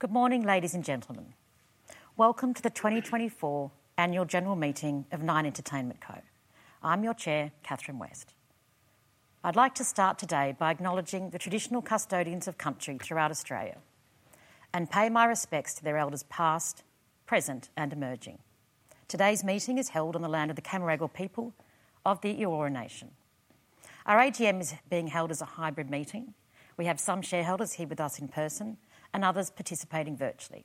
Good morning, ladies and gentlemen. Welcome to the 2024 Annual General Meeting of Nine Entertainment Co. I'm your Chair, Catherine West. I'd like to start today by acknowledging the traditional custodians of country throughout Australia and pay my respects to their elders past, present, and emerging. Today's meeting is held on the land of the Cammeraygal people of the Eora Nation. Our AGM is being held as a hybrid meeting. We have some shareholders here with us in person and others participating virtually.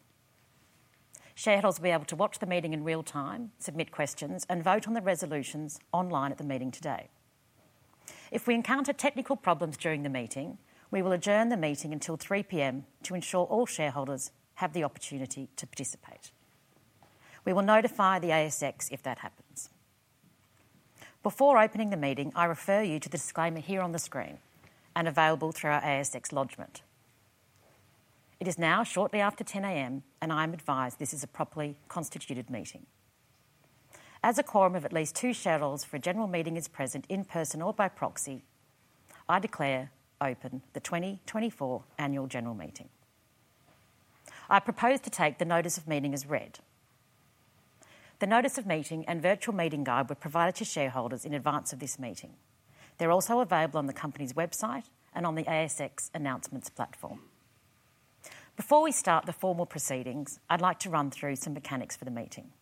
Shareholders will be able to watch the meeting in real time, submit questions, and vote on the resolutions online at the meeting today. If we encounter technical problems during the meeting, we will adjourn the meeting until 3:00 P.M. to ensure all shareholders have the opportunity to participate. We will notify the ASX if that happens. Before opening the meeting, I refer you to the disclaimer here on the screen and available through our ASX Lodgement. It is now shortly after 10:00 A.M., and I'm advised this is a properly constituted meeting. As a quorum of at least two shareholders for a general meeting is present in person or by proxy, I declare open the 2024 Annual General Meeting. I propose to take the notice of meeting as read. The notice of meeting and virtual meeting guide were provided to shareholders in advance of this meeting. They're also available on the company's website and on the ASX announcements platform. Before we start the formal proceedings, I'd like to run through some mechanics for the meeting.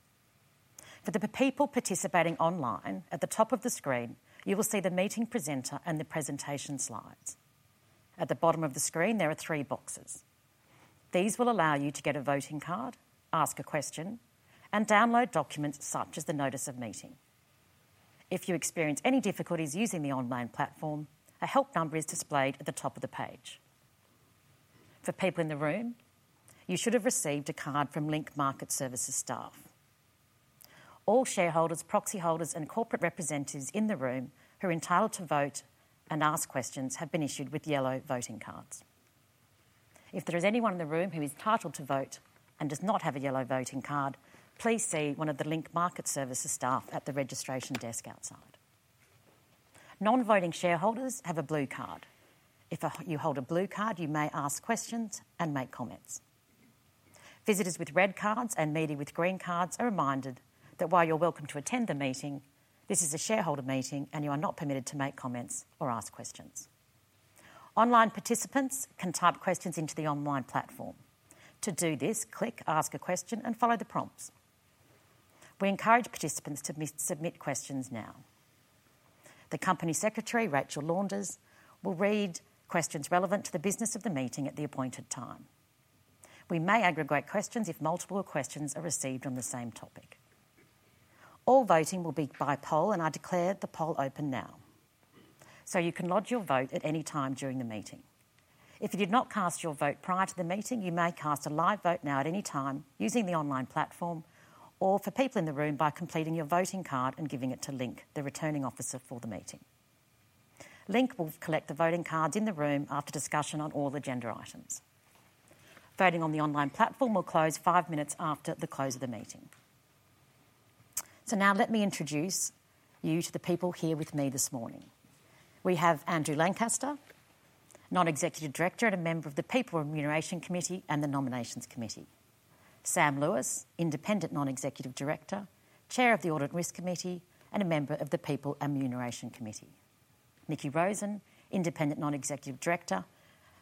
For the people participating online, at the top of the screen, you will see the meeting presenter and the presentation slides. At the bottom of the screen, there are three boxes. These will allow you to get a voting card, ask a question, and download documents such as the notice of meeting. If you experience any difficulties using the online platform, a help number is displayed at the top of the page. For people in the room, you should have received a card from Link Market Services staff. All shareholders, proxy holders, and corporate representatives in the room who are entitled to vote and ask questions have been issued with yellow voting cards. If there is anyone in the room who is entitled to vote and does not have a yellow voting card, please see one of the Link Market Services staff at the registration desk outside. Non-voting shareholders have a blue card. If you hold a blue card, you may ask questions and make comments. Visitors with red cards and meeting with green cards are reminded that while you're welcome to attend the meeting, this is a shareholder meeting and you are not permitted to make comments or ask questions. Online participants can type questions into the online platform. To do this, click, ask a question, and follow the prompts. We encourage participants to submit questions now. The company secretary, Rachel Launders, will read questions relevant to the business of the meeting at the appointed time. We may aggregate questions if multiple questions are received on the same topic. All voting will be by poll, and I declare the poll open now. So you can lodge your vote at any time during the meeting. If you did not cast your vote prior to the meeting, you may cast a live vote now at any time using the online platform or for people in the room by completing your voting card and giving it to Link, the returning officer for the meeting. Link will collect the voting cards in the room after discussion on all agenda items. Voting on the online platform will close five minutes after the close of the meeting. So now let me introduce you to the people here with me this morning. We have Andrew Lancaster, non-executive director and a member of the People & Remuneration Committee and the Nominations Committee. Sam Lewis, independent non-executive director, chair of the Audit and Risk Committee and a member of the People & Remuneration Committee. Mickie Rosen, independent non-executive director,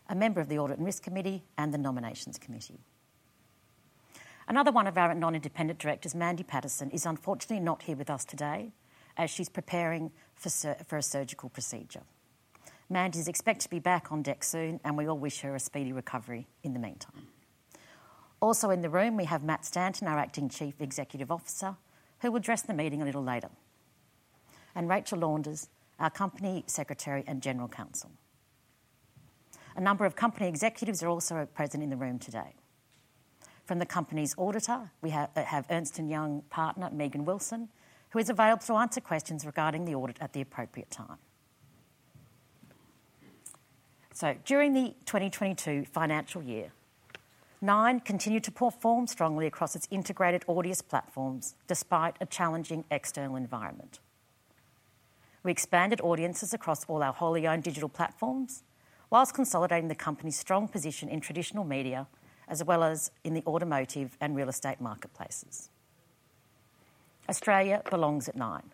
a member of the Audit and Risk Committee and the Nominations Committee. Another one of our non-independent directors, Mandy Pattinson, is unfortunately not here with us today as she's preparing for a surgical procedure. Mandy is expected to be back on deck soon, and we all wish her a speedy recovery in the meantime. Also in the room, we have Matt Stanton, our acting Chief Executive Officer, who will address the meeting a little later, and Rachel Launders, our Company Secretary and General Counsel. A number of company executives are also present in the room today. From the company's auditor, we have Ernst & Young Partner, Megan Wilson, who is available to answer questions regarding the audit at the appropriate time. During the 2022 financial year, Nine continued to perform strongly across its integrated audience platforms despite a challenging external environment. We expanded audiences across all our wholly owned digital platforms while consolidating the company's strong position in traditional media as well as in the automotive and real estate marketplaces. Australia belongs at Nine.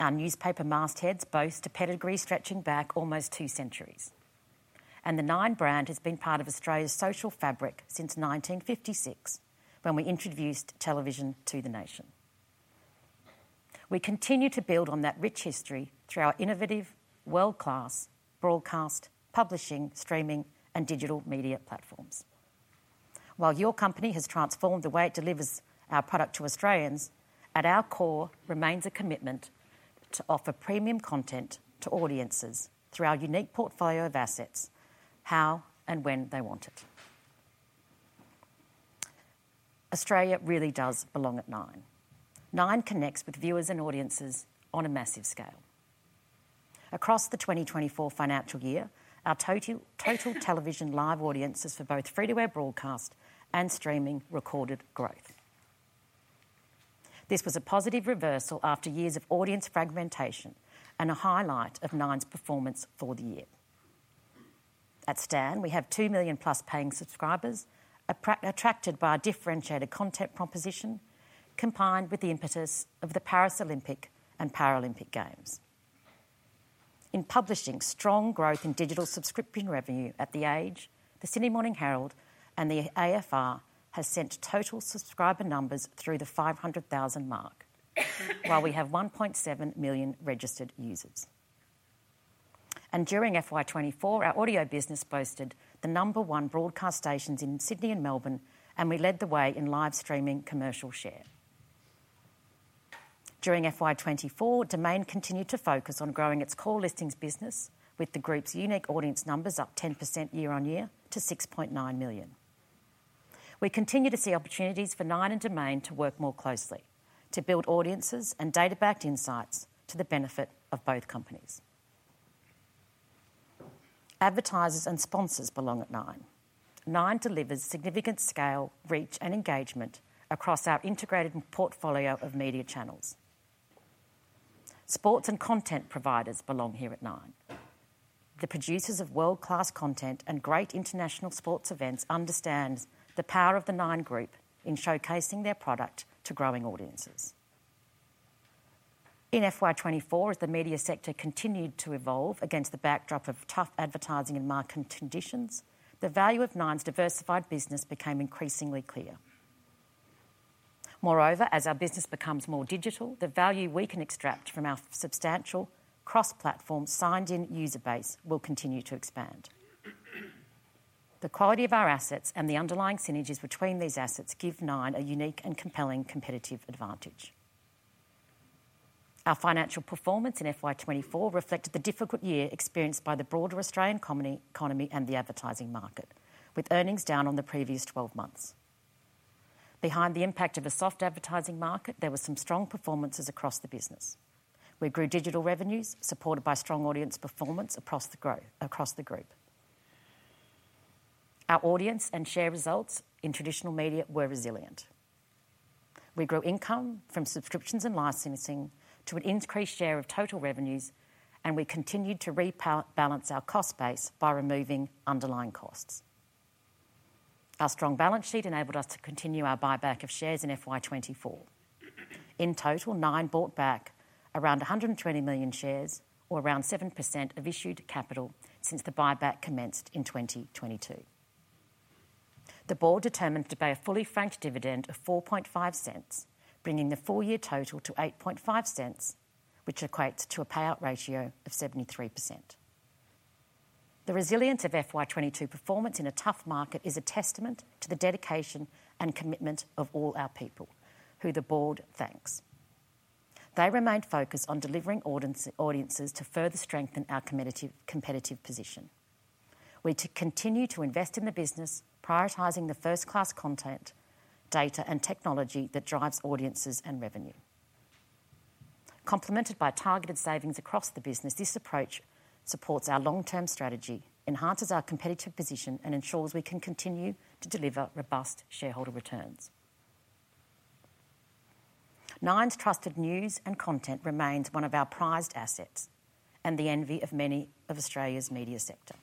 Our newspaper mastheads boast a pedigree stretching back almost two centuries, and the Nine brand has been part of Australia's social fabric since 1956 when we introduced television to the nation. We continue to build on that rich history through our innovative, world-class broadcast, publishing, streaming, and digital media platforms. While your company has transformed the way it delivers our product to Australians, at our core remains a commitment to offer premium content to audiences through our unique portfolio of assets, how and when they want it. Australia really does belong at Nine. Nine connects with viewers and audiences on a massive scale. Across the 2024 financial year, our total television live audiences for both free-to-air broadcast and streaming recorded growth. This was a positive reversal after years of audience fragmentation and a highlight of Nine's performance for the year. At Stan, we have 2 million plus paying subscribers attracted by our differentiated content proposition combined with the impetus of the Paris Olympic and Paralympic Games. In publishing, strong growth in digital subscription revenue at The Age, The Sydney Morning Herald, and the AFR have sent total subscriber numbers through the 500,000 mark while we have 1.7 million registered users. During FY24, our audio business boasted the number one broadcast stations in Sydney and Melbourne, and we led the way in live streaming commercial share. During FY24, Domain continued to focus on growing its core listings business with the group's unique audience numbers up 10% year on year to 6.9 million. We continue to see opportunities for Nine and Domain to work more closely to build audiences and data-backed insights to the benefit of both companies. Advertisers and sponsors belong at Nine. Nine delivers significant scale, reach, and engagement across our integrated portfolio of media channels. Sports and content providers belong here at Nine. The producers of world-class content and great international sports events understand the power of the Nine group in showcasing their product to growing audiences. In FY24, as the media sector continued to evolve against the backdrop of tough advertising and marketing conditions, the value of Nine's diversified business became increasingly clear. Moreover, as our business becomes more digital, the value we can extract from our substantial cross-platform signed-in user base will continue to expand. The quality of our assets and the underlying synergies between these assets give Nine a unique and compelling competitive advantage. Our financial performance in FY24 reflected the difficult year experienced by the broader Australian economy and the advertising market, with earnings down on the previous 12 months. Behind the impact of a soft advertising market, there were some strong performances across the business. We grew digital revenues supported by strong audience performance across the group. Our audience and share results in traditional media were resilient. We grew income from subscriptions and licensing to an increased share of total revenues, and we continued to rebalance our cost base by removing underlying costs. Our strong balance sheet enabled us to continue our buyback of shares in FY24. In total, Nine bought back around 120 million shares, or around 7% of issued capital, since the buyback commenced in 2022. The board determined to pay a fully franked dividend of 0.045, bringing the full year total to 0.085, which equates to a payout ratio of 73%. The resilience of FY22 performance in a tough market is a testament to the dedication and commitment of all our people, who the board thanks. They remained focused on delivering audiences to further strengthen our competitive position. We continue to invest in the business, prioritizing the first-class content, data, and technology that drives audiences and revenue. Complemented by targeted savings across the business, this approach supports our long-term strategy, enhances our competitive position, and ensures we can continue to deliver robust shareholder returns. Nine's trusted news and content remains one of our prized assets and the envy of many of Australia's media sector.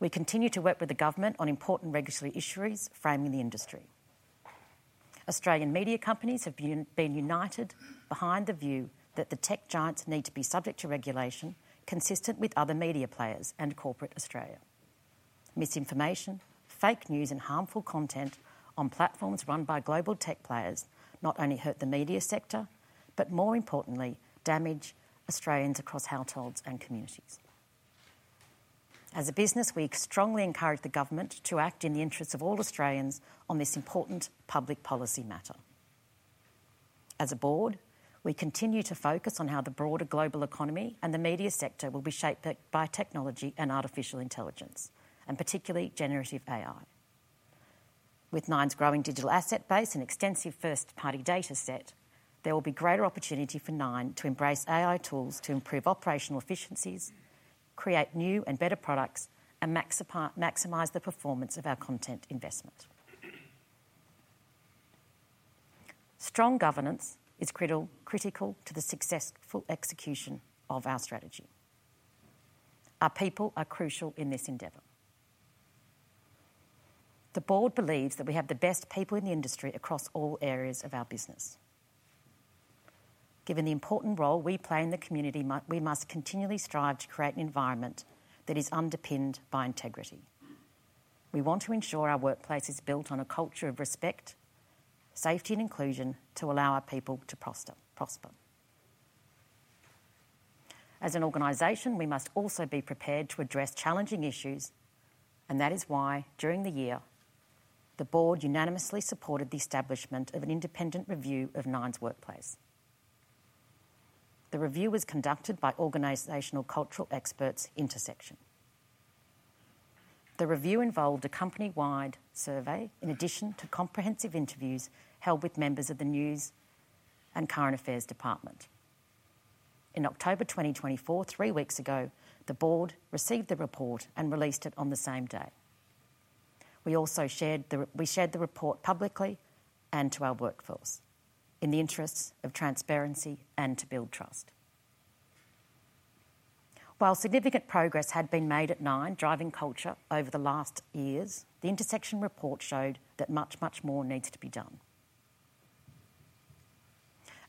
We continue to work with the government on important regulatory issues framing the industry. Australian media companies have been united behind the view that the tech giants need to be subject to regulation consistent with other media players and corporate Australia. Misinformation, fake news, and harmful content on platforms run by global tech players not only hurt the media sector, but more importantly, damage Australians across households and communities. As a business, we strongly encourage the government to act in the interests of all Australians on this important public policy matter. As a board, we continue to focus on how the broader global economy and the media sector will be shaped by technology and artificial intelligence, and particularly generative AI. With Nine's growing digital asset base and extensive first-party data set, there will be greater opportunity for Nine to embrace AI tools to improve operational efficiencies, create new and better products, and maximize the performance of our content investment. Strong governance is critical to the successful execution of our strategy. Our people are crucial in this endeavor. The board believes that we have the best people in the industry across all areas of our business. Given the important role we play in the community, we must continually strive to create an environment that is underpinned by integrity. We want to ensure our workplace is built on a culture of respect, safety, and inclusion to allow our people to prosper. As an organization, we must also be prepared to address challenging issues, and that is why during the year, the board unanimously supported the establishment of an independent review of Nine's workplace. The review was conducted by organizational cultural experts Intersection. The review involved a company-wide survey in addition to comprehensive interviews held with members of the news and current affairs department. In October 2024, three weeks ago, the board received the report and released it on the same day. We also shared the report publicly and to our workforce in the interests of transparency and to build trust. While significant progress had been made at Nine driving culture over the last years, the Intersection report showed that much, much more needs to be done.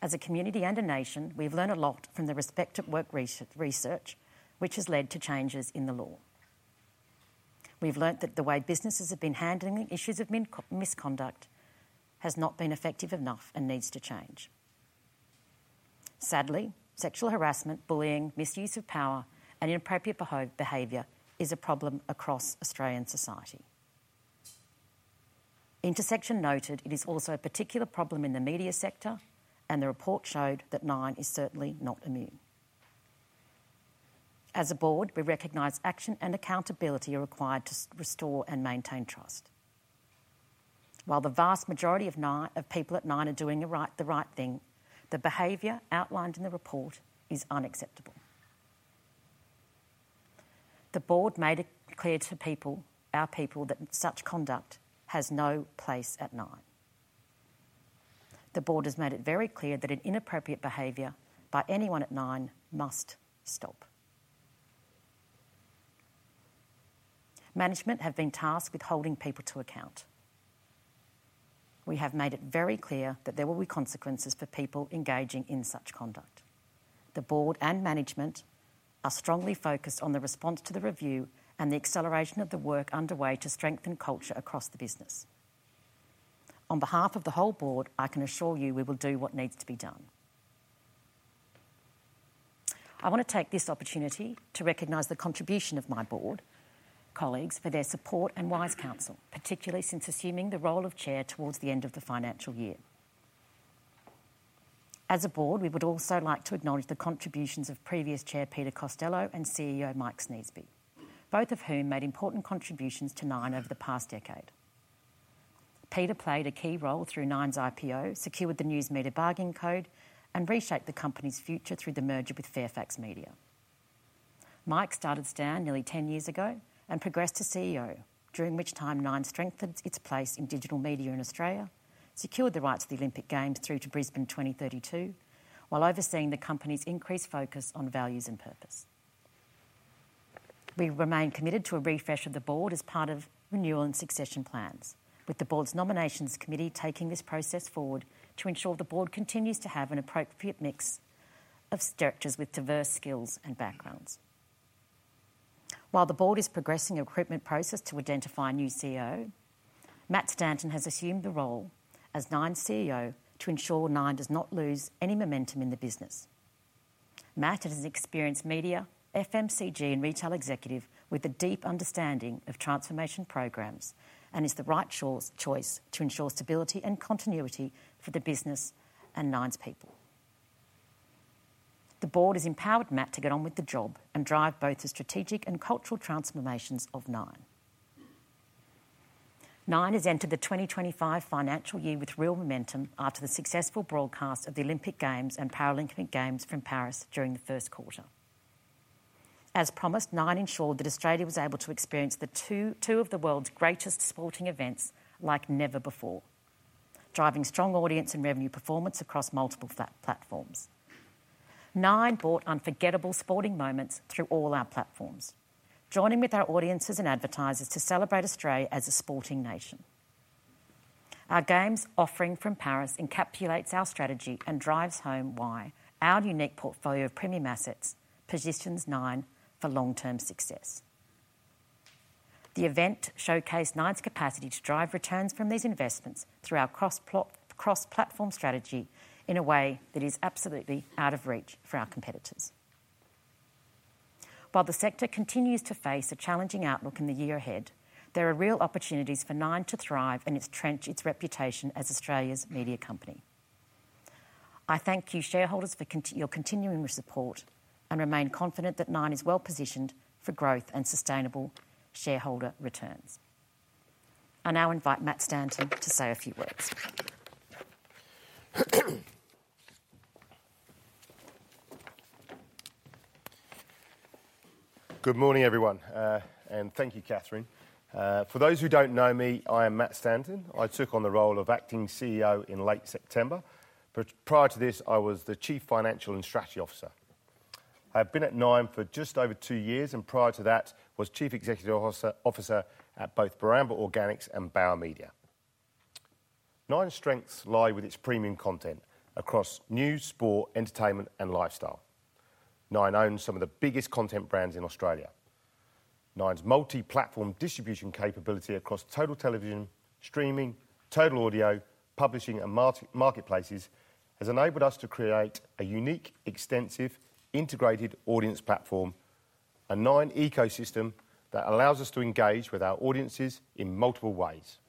As a community and a nation, we've learned a lot from the respect at work research, which has led to changes in the law. We've learned that the way businesses have been handling issues of misconduct has not been effective enough and needs to change. Sadly, sexual harassment, bullying, misuse of power, and inappropriate behavior is a problem across Australian society. Intersection noted it is also a particular problem in the media sector, and the report showed that Nine is certainly not immune. As a board, we recognize action and accountability are required to restore and maintain trust. While the vast majority of people at Nine are doing the right thing, the behavior outlined in the report is unacceptable. The board made it clear to our people that such conduct has no place at Nine. The board has made it very clear that inappropriate behavior by anyone at Nine must stop. Management have been tasked with holding people to account. We have made it very clear that there will be consequences for people engaging in such conduct. The board and management are strongly focused on the response to the review and the acceleration of the work underway to strengthen culture across the business. On behalf of the whole board, I can assure you we will do what needs to be done. I want to take this opportunity to recognize the contribution of my board colleagues for their support and wise counsel, particularly since assuming the role of chair towards the end of the financial year. As a board, we would also like to acknowledge the contributions of previous Chair Peter Costello and CEO Mike Sneesby, both of whom made important contributions to Nine over the past decade. Peter played a key role through Nine's IPO, secured the News Media Bargaining Code, and reshaped the company's future through the merger with Fairfax Media. Mike started Stan nearly 10 years ago and progressed to CEO, during which time Nine strengthened its place in digital media in Australia, secured the rights to the Olympic Games through to Brisbane 2032, while overseeing the company's increased focus on values and purpose. We remain committed to a refresh of the board as part of renewal and succession plans, with the board's nominations committee taking this process forward to ensure the board continues to have an appropriate mix of structures with diverse skills and backgrounds. While the board is progressing a recruitment process to identify a new CEO, Matt Stanton has assumed the role as Nine's CEO to ensure Nine does not lose any momentum in the business. Matt is an experienced media, FMCG, and retail executive with a deep understanding of transformation programs and is the right choice to ensure stability and continuity for the business and Nine's people. The board has empowered Matt to get on with the job and drive both the strategic and cultural transformations of Nine. Nine has entered the 2025 financial year with real momentum after the successful broadcast of the Olympic Games and Paralympic Games from Paris during the first quarter. As promised, Nine ensured that Australia was able to experience two of the world's greatest sporting events like never before, driving strong audience and revenue performance across multiple platforms. Nine brought unforgettable sporting moments through all our platforms, joining with our audiences and advertisers to celebrate Australia as a sporting nation. Our Games offering from Paris encapsulates our strategy and drives home why our unique portfolio of premium assets positions Nine for long-term success. The event showcased Nine's capacity to drive returns from these investments through our cross-platform strategy in a way that is absolutely out of reach for our competitors. While the sector continues to face a challenging outlook in the year ahead, there are real opportunities for Nine to thrive and entrench its reputation as Australia's media company. I thank you shareholders for your continuing support and remain confident that Nine is well positioned for growth and sustainable shareholder returns. I now invite Matt Stanton to say a few words. Good morning, everyone, and thank you, Catherine. For those who don't know me, I am Matt Stanton. I took on the role of acting CEO in late September. Prior to this, I was the Chief Financial and Strategy Officer. I have been at Nine for just over two years, and prior to that, I was Chief Executive Officer at both Barambah Organics and Bauer Media. Nine's strengths lie with its premium content across news, sport, entertainment, and lifestyle. Nine owns some of the biggest content brands in Australia. Nine's multi-platform distribution capability across total television, streaming, total audio, publishing, and marketplaces has enabled us to create a unique, extensive, integrated audience platform, a Nine ecosystem that allows us to engage with our audiences in multiple ways.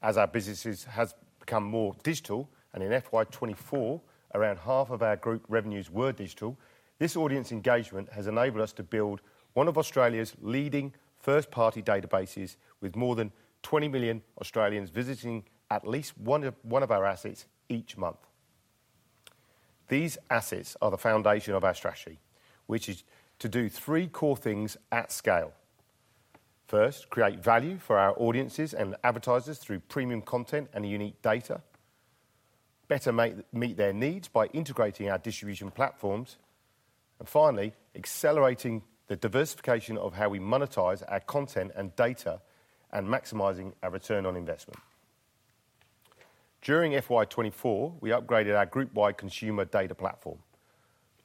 As our business has become more digital, and in FY24, around half of our group revenues were digital. This audience engagement has enabled us to build one of Australia's leading first-party databases with more than 20 million Australians visiting at least one of our assets each month. These assets are the foundation of our strategy, which is to do three core things at scale. First, create value for our audiences and advertisers through premium content and unique data, better meet their needs by integrating our distribution platforms, and finally, accelerating the diversification of how we monetize our content and data and maximizing our return on investment. During FY24, we upgraded our group-wide consumer data platform,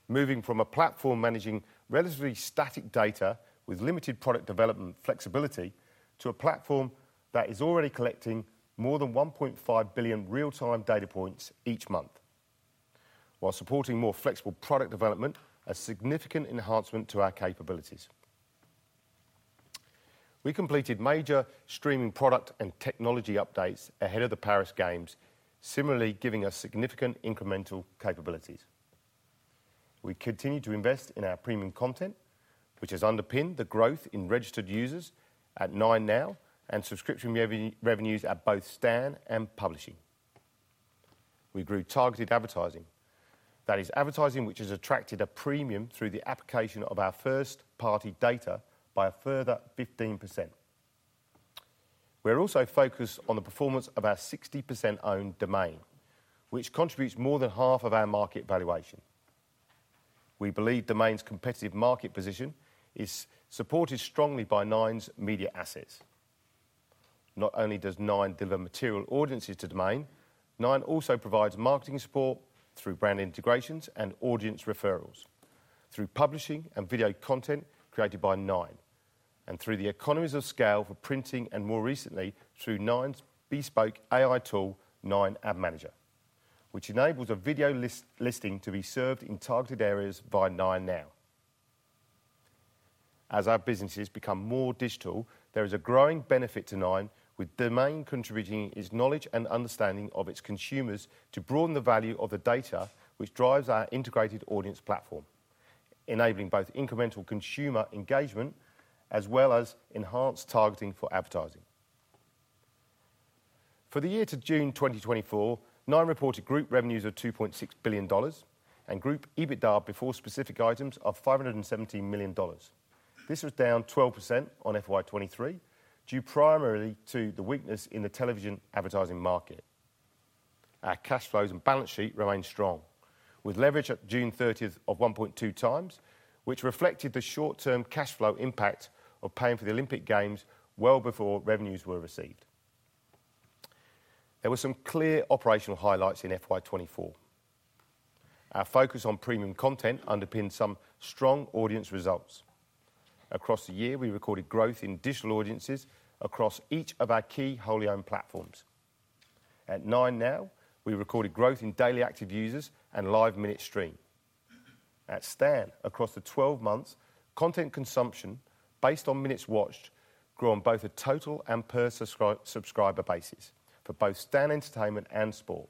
moving from a platform managing relatively static data with limited product development flexibility to a platform that is already collecting more than 1.5 billion real-time data points each month, while supporting more flexible product development, a significant enhancement to our capabilities. We completed major streaming product and technology updates ahead of the Paris Games, similarly giving us significant incremental capabilities. We continue to invest in our premium content, which has underpinned the growth in registered users at 9Now and subscription revenues at both Stan and Publishing. We grew targeted advertising, that is, advertising which has attracted a premium through the application of our first-party data by a further 15%. We are also focused on the performance of our 60% owned Domain, which contributes more than half of our market valuation. We believe Domain's competitive market position is supported strongly by Nine's media assets. Not only does Nine deliver material audiences to Domain, Nine also provides marketing support through brand integrations and audience referrals, through publishing and video content created by Nine, and through the economies of scale for printing and more recently through Nine's bespoke AI tool, Nine Ad Manager, which enables a video listing to be served in targeted areas via 9Now. As our businesses become more digital, there is a growing benefit to Nine, with Domain contributing its knowledge and understanding of its consumers to broaden the value of the data, which drives our integrated audience platform, enabling both incremental consumer engagement as well as enhanced targeting for advertising. For the year to June 2024, Nine reported group revenues of 2.6 billion dollars and group EBITDA before specific items of 517 million dollars. This was down 12% on FY23 due primarily to the weakness in the television advertising market. Our cash flows and balance sheet remained strong, with leverage at June 30th of 1.2 times, which reflected the short-term cash flow impact of paying for the Olympic Games well before revenues were received. There were some clear operational highlights in FY24. Our focus on premium content underpinned some strong audience results. Across the year, we recorded growth in digital audiences across each of our key wholly owned platforms. At 9Now, we recorded growth in daily active users and live minutes stream. At Stan, across the 12 months, content consumption based on minutes watched grew on both a total and per subscriber basis for both Stan Entertainment and sport.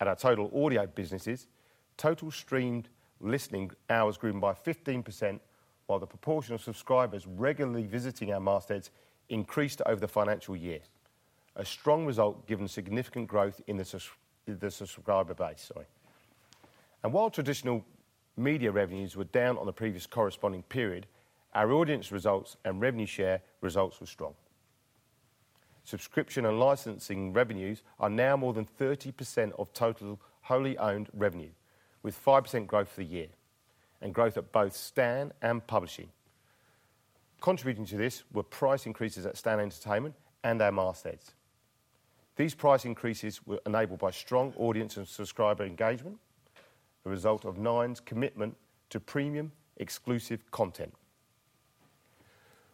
At our total audio businesses, total streamed listening hours grew by 15%, while the proportion of subscribers regularly visiting our mastheads increased over the financial year, a strong result given significant growth in the subscriber base, and while traditional media revenues were down on the previous corresponding period, our audience results and revenue share results were strong. Subscription and licensing revenues are now more than 30% of total wholly owned revenue, with 5% growth for the year and growth at both Stan and Publishing. Contributing to this were price increases at Stan Entertainment and our mastheads. These price increases were enabled by strong audience and subscriber engagement, a result of Nine's commitment to premium exclusive content.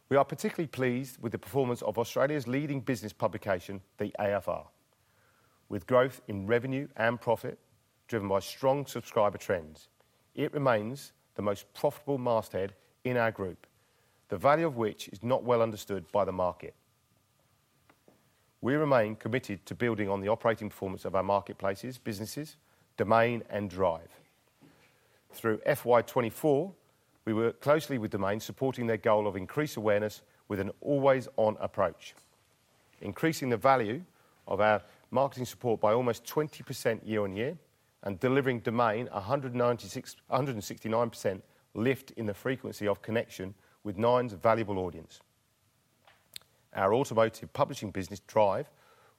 We are particularly pleased with the performance of Australia's leading business publication, the AFR. With growth in revenue and profit driven by strong subscriber trends, it remains the most profitable masthead in our group, the value of which is not well understood by the market. We remain committed to building on the operating performance of our marketplaces, businesses, Domain, and Drive. Through FY24, we worked closely with Domain, supporting their goal of increased awareness with an always-on approach, increasing the value of our marketing support by almost 20% year on year and delivering Domain 169% lift in the frequency of connection with Nine's valuable audience. Our automotive publishing business, Drive,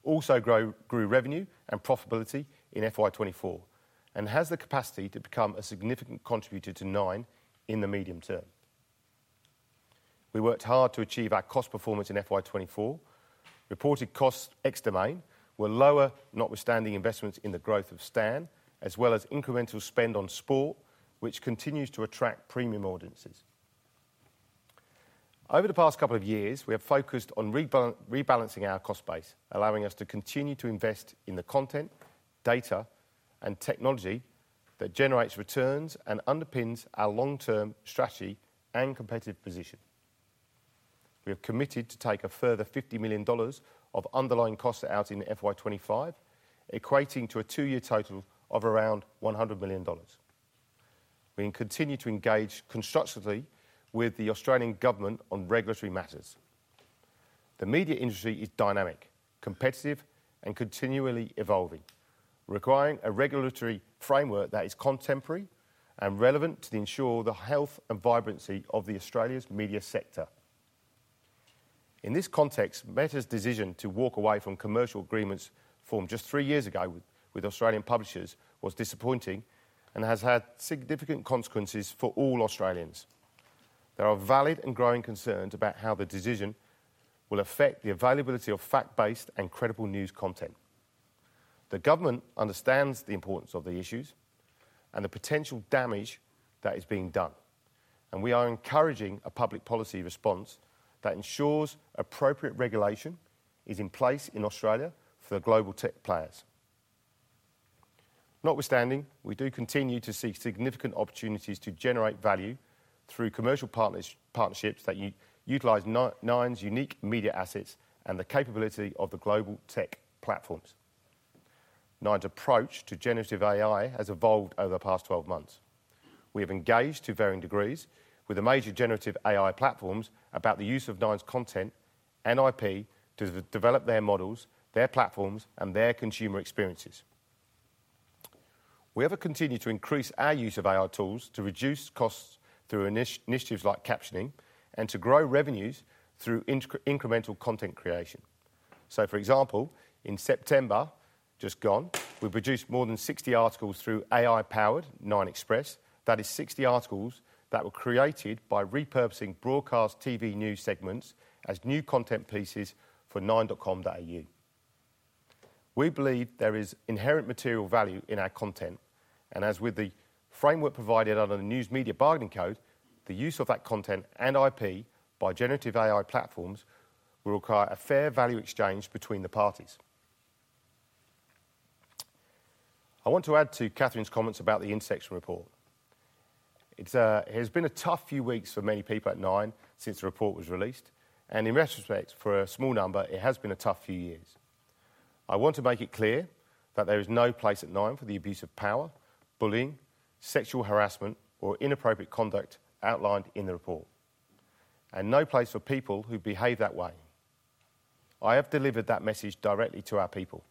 also grew revenue and profitability in FY24 and has the capacity to become a significant contributor to Nine in the medium term. We worked hard to achieve our cost performance in FY24. Reported costs ex Domain were lower, notwithstanding investments in the growth of Stan, as well as incremental spend on sport, which continues to attract premium audiences. Over the past couple of years, we have focused on rebalancing our cost base, allowing us to continue to invest in the content, data, and technology that generates returns and underpins our long-term strategy and competitive position. We are committed to take a further 50 million dollars of underlying costs out in FY25, equating to a two-year total of around 100 million dollars. We continue to engage constructively with the Australian government on regulatory matters. The media industry is dynamic, competitive, and continually evolving, requiring a regulatory framework that is contemporary and relevant to ensure the health and vibrancy of Australia's media sector. In this context, Meta's decision to walk away from commercial agreements formed just three years ago with Australian publishers was disappointing and has had significant consequences for all Australians. There are valid and growing concerns about how the decision will affect the availability of fact-based and credible news content. The government understands the importance of the issues and the potential damage that is being done, and we are encouraging a public policy response that ensures appropriate regulation is in place in Australia for the global tech players. Notwithstanding, we do continue to seek significant opportunities to generate value through commercial partnerships that utilize Nine's unique media assets and the capability of the global tech platforms. Nine's approach to generative AI has evolved over the past 12 months. We have engaged to varying degrees with the major generative AI platforms about the use of Nine's content and IP to develop their models, their platforms, and their consumer experiences. We have continued to increase our use of AI tools to reduce costs through initiatives like captioning and to grow revenues through incremental content creation. So, for example, in September just gone, we produced more than 60 articles through AI-powered Nine Express. That is 60 articles that were created by repurposing broadcast TV news segments as new content pieces for nine.com.au. We believe there is inherent material value in our content, and as with the framework provided under the News Media Bargaining Code, the use of that content and IP by generative AI platforms will require a fair value exchange between the parties. I want to add to Catherine's comments about the Intersection report. It has been a tough few weeks for many people at Nine since the report was released, and in retrospect, for a small number, it has been a tough few years. I want to make it clear that there is no place at Nine for the abuse of power, bullying, sexual harassment, or inappropriate conduct outlined in the report, and no place for people who behave that way. I have delivered that message directly to our people.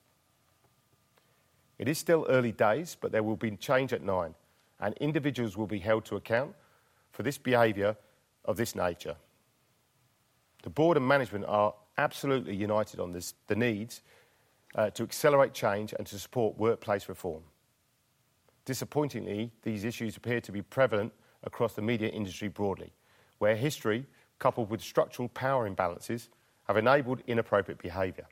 It is still early days, but there will be change at Nine, and individuals will be held to account for this behavior of this nature. The board and management are absolutely united on the needs to accelerate change and to support workplace reform. Disappointingly, these issues appear to be prevalent across the media industry broadly, where history coupled with structural power imbalances have enabled inappropriate behavior.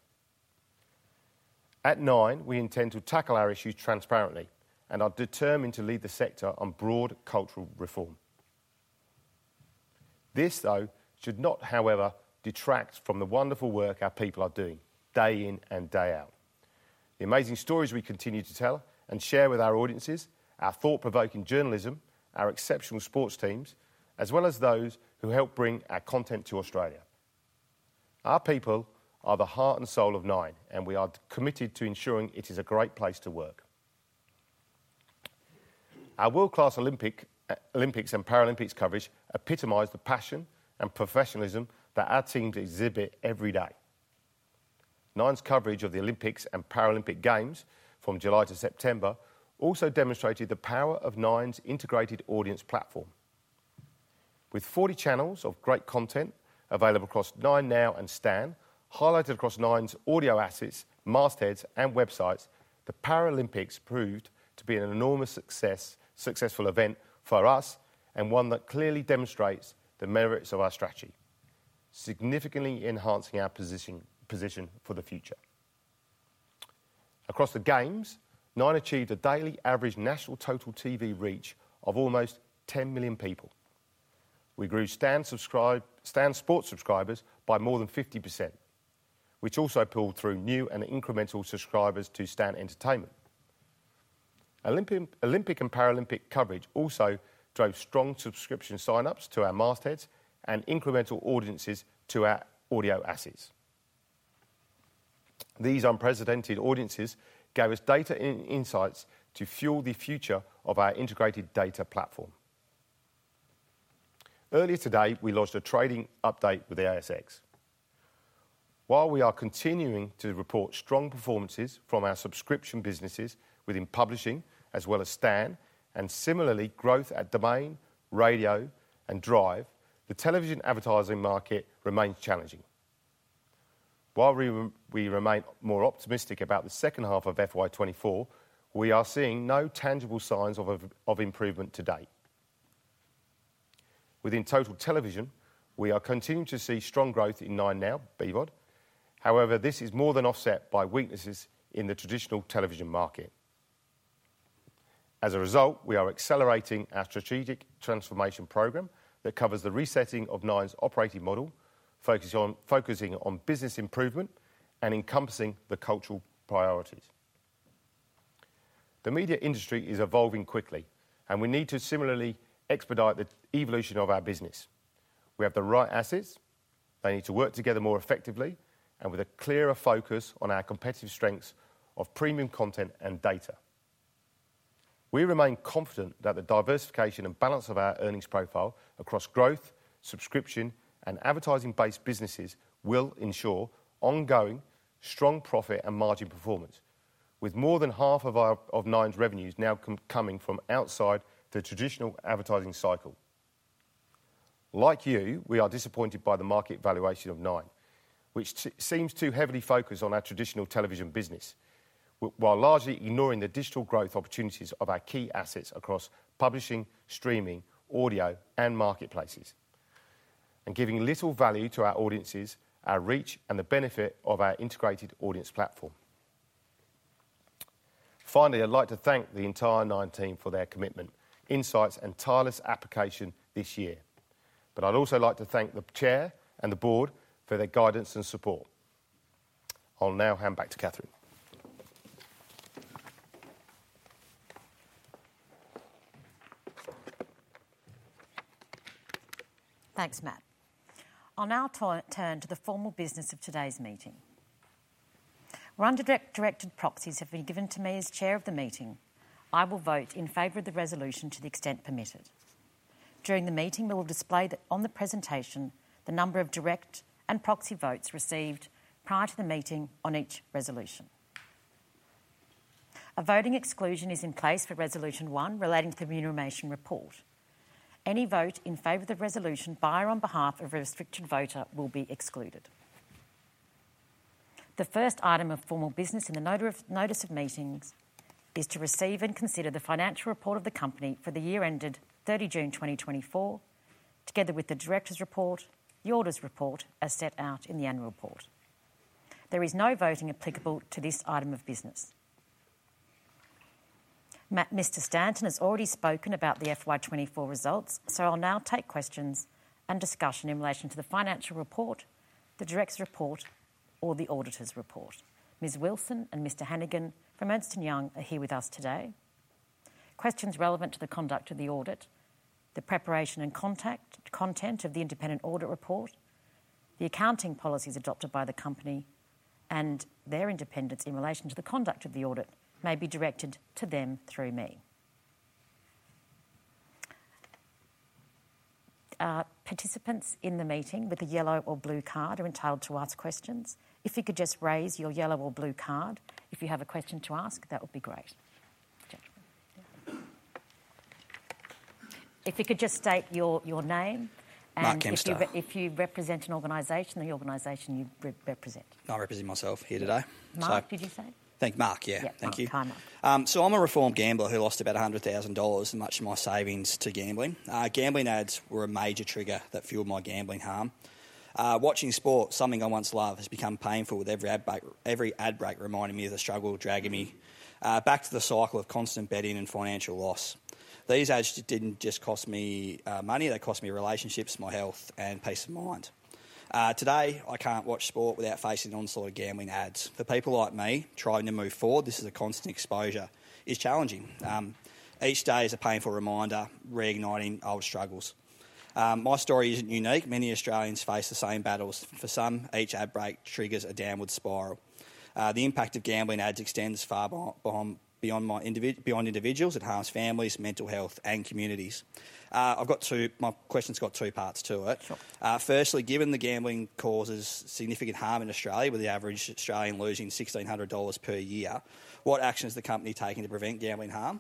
At Nine, we intend to tackle our issues transparently and are determined to lead the sector on broad cultural reform. This, though, should not, however, detract from the wonderful work our people are doing day in and day out. The amazing stories we continue to tell and share with our audiences, our thought-provoking journalism, our exceptional sports teams, as well as those who help bring our content to Australia. Our people are the heart and soul of Nine, and we are committed to ensuring it is a great place to work. Our world-class Olympics and Paralympics coverage epitomized the passion and professionalism that our teams exhibit every day. Nine's coverage of the Olympics and Paralympic Games from July to September also demonstrated the power of Nine's integrated audience platform. With 40 channels of great content available across 9Now and Stan, highlighted across Nine's audio assets, mastheads, and websites, the Paralympics proved to be an enormously successful event for us and one that clearly demonstrates the merits of our strategy, significantly enhancing our position for the future. Across the Games, Nine achieved a daily average national Total TV reach of almost 10 million people. We grew Stan Sport subscribers by more than 50%, which also pulled through new and incremental subscribers to Stan. Olympic and Paralympic coverage also drove strong subscription sign-ups to our mastheads and incremental audiences to our audio assets. These unprecedented audiences gave us data and insights to fuel the future of our integrated data platform. Earlier today, we launched a trading update with ASX. While we are continuing to report strong performances from our subscription businesses within Publishing as well as Stan, and similarly growth at Domain, Radio, and Drive, the television advertising market remains challenging. While we remain more optimistic about the second half of FY24, we are seeing no tangible signs of improvement to date. Within total television, we are continuing to see strong growth in 9Now, BVOD. However, this is more than offset by weaknesses in the traditional television market. As a result, we are accelerating our strategic transformation program that covers the resetting of Nine's operating model, focusing on business improvement and encompassing the cultural priorities. The media industry is evolving quickly, and we need to similarly expedite the evolution of our business. We have the right assets. They need to work together more effectively and with a clearer focus on our competitive strengths of premium content and data. We remain confident that the diversification and balance of our earnings profile across growth, subscription, and advertising-based businesses will ensure ongoing strong profit and margin performance, with more than half of Nine's revenues now coming from outside the traditional advertising cycle. Like you, we are disappointed by the market valuation of Nine, which seems too heavily focused on our traditional television business, while largely ignoring the digital growth opportunities of our key assets across publishing, streaming, audio, and marketplaces, and giving little value to our audiences, our reach, and the benefit of our integrated audience platform. Finally, I'd like to thank the entire Nine team for their commitment, insights, and tireless application this year. But I'd also like to thank the Chair and the Board for their guidance and support. I'll now hand back to Catherine. Thanks, Matt. I'll now turn to the formal business of today's meeting. Undirected proxies have been given to me as Chair of the meeting. I will vote in favor of the resolution to the extent permitted. During the meeting, we will display on the presentation the number of direct and proxy votes received prior to the meeting on each resolution. A voting exclusion is in place for resolution one relating to the remuneration report. Any vote in favor of the resolution by or on behalf of a restricted voter will be excluded. The first item of formal business in the notice of meeting is to receive and consider the financial report of the company for the year ended 30 June 2024, together with the directors' report, the auditors' report, as set out in the annual report. There is no vote applicable to this item of business. Mr. Stanton has already spoken about the FY24 results, so I'll now take questions and discussion in relation to the financial report, the director's report, or the auditor's report. Ms. Wilson and Mr. Hannigan from Ernst & Young are here with us today. Questions relevant to the conduct of the audit, the preparation and content of the independent audit report, the accounting policies adopted by the company, and their independence in relation to the conduct of the audit may be directed to them through me. Participants in the meeting with a yellow or blue card are entitled to ask questions. If you could just raise your yellow or blue card if you have a question to ask, that would be great. If you could just state your name and if you represent an organization, the organization you represent. I represent myself here today. Mark, did you say? Thank Mark, yeah. Thank you, so I'm a reformed gambler who lost about 100,000 dollars, much of my savings to gambling. Gambling ads were a major trigger that fueled my gambling harm. Watching sport, something I once loved, has become painful with every ad break reminding me of the struggle dragging me back to the cycle of constant betting and financial loss. These ads didn't just cost me money. They cost me relationships, my health, and peace of mind. Today, I can't watch sport without facing the onslaught of gambling ads. For people like me trying to move forward, this is a constant exposure. It's challenging. Each day is a painful reminder, reigniting old struggles. My story isn't unique. Many Australians face the same battles. For some, each ad break triggers a downward spiral. The impact of gambling ads extends far beyond individuals. It harms families, mental health, and communities. My question's got two parts to it. Firstly, given the gambling causes significant harm in Australia, with the average Australian losing 1,600 dollars per year, what action is the company taking to prevent gambling harm?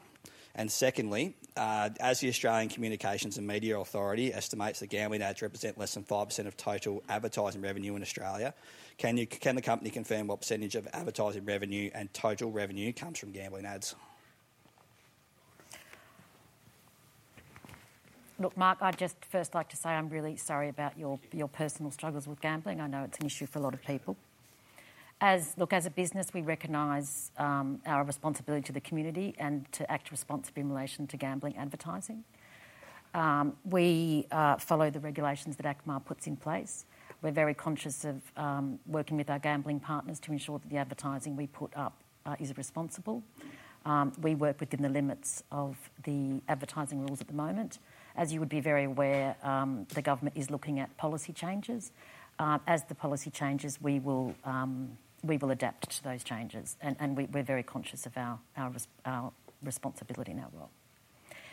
And secondly, as the Australian Communications and Media Authority estimates that gambling ads represent less than 5% of total advertising revenue in Australia, can the company confirm what percentage of advertising revenue and total revenue comes from gambling ads? Look, Mark, I'd just first like to say I'm really sorry about your personal struggles with gambling. I know it's an issue for a lot of people. As a business, we recognize our responsibility to the community and to act responsibly in relation to gambling advertising. We follow the regulations that ACMA puts in place. We're very conscious of working with our gambling partners to ensure that the advertising we put up is responsible. We work within the limits of the advertising rules at the moment. As you would be very aware, the government is looking at policy changes. As the policy changes, we will adapt to those changes, and we're very conscious of our responsibility in our role.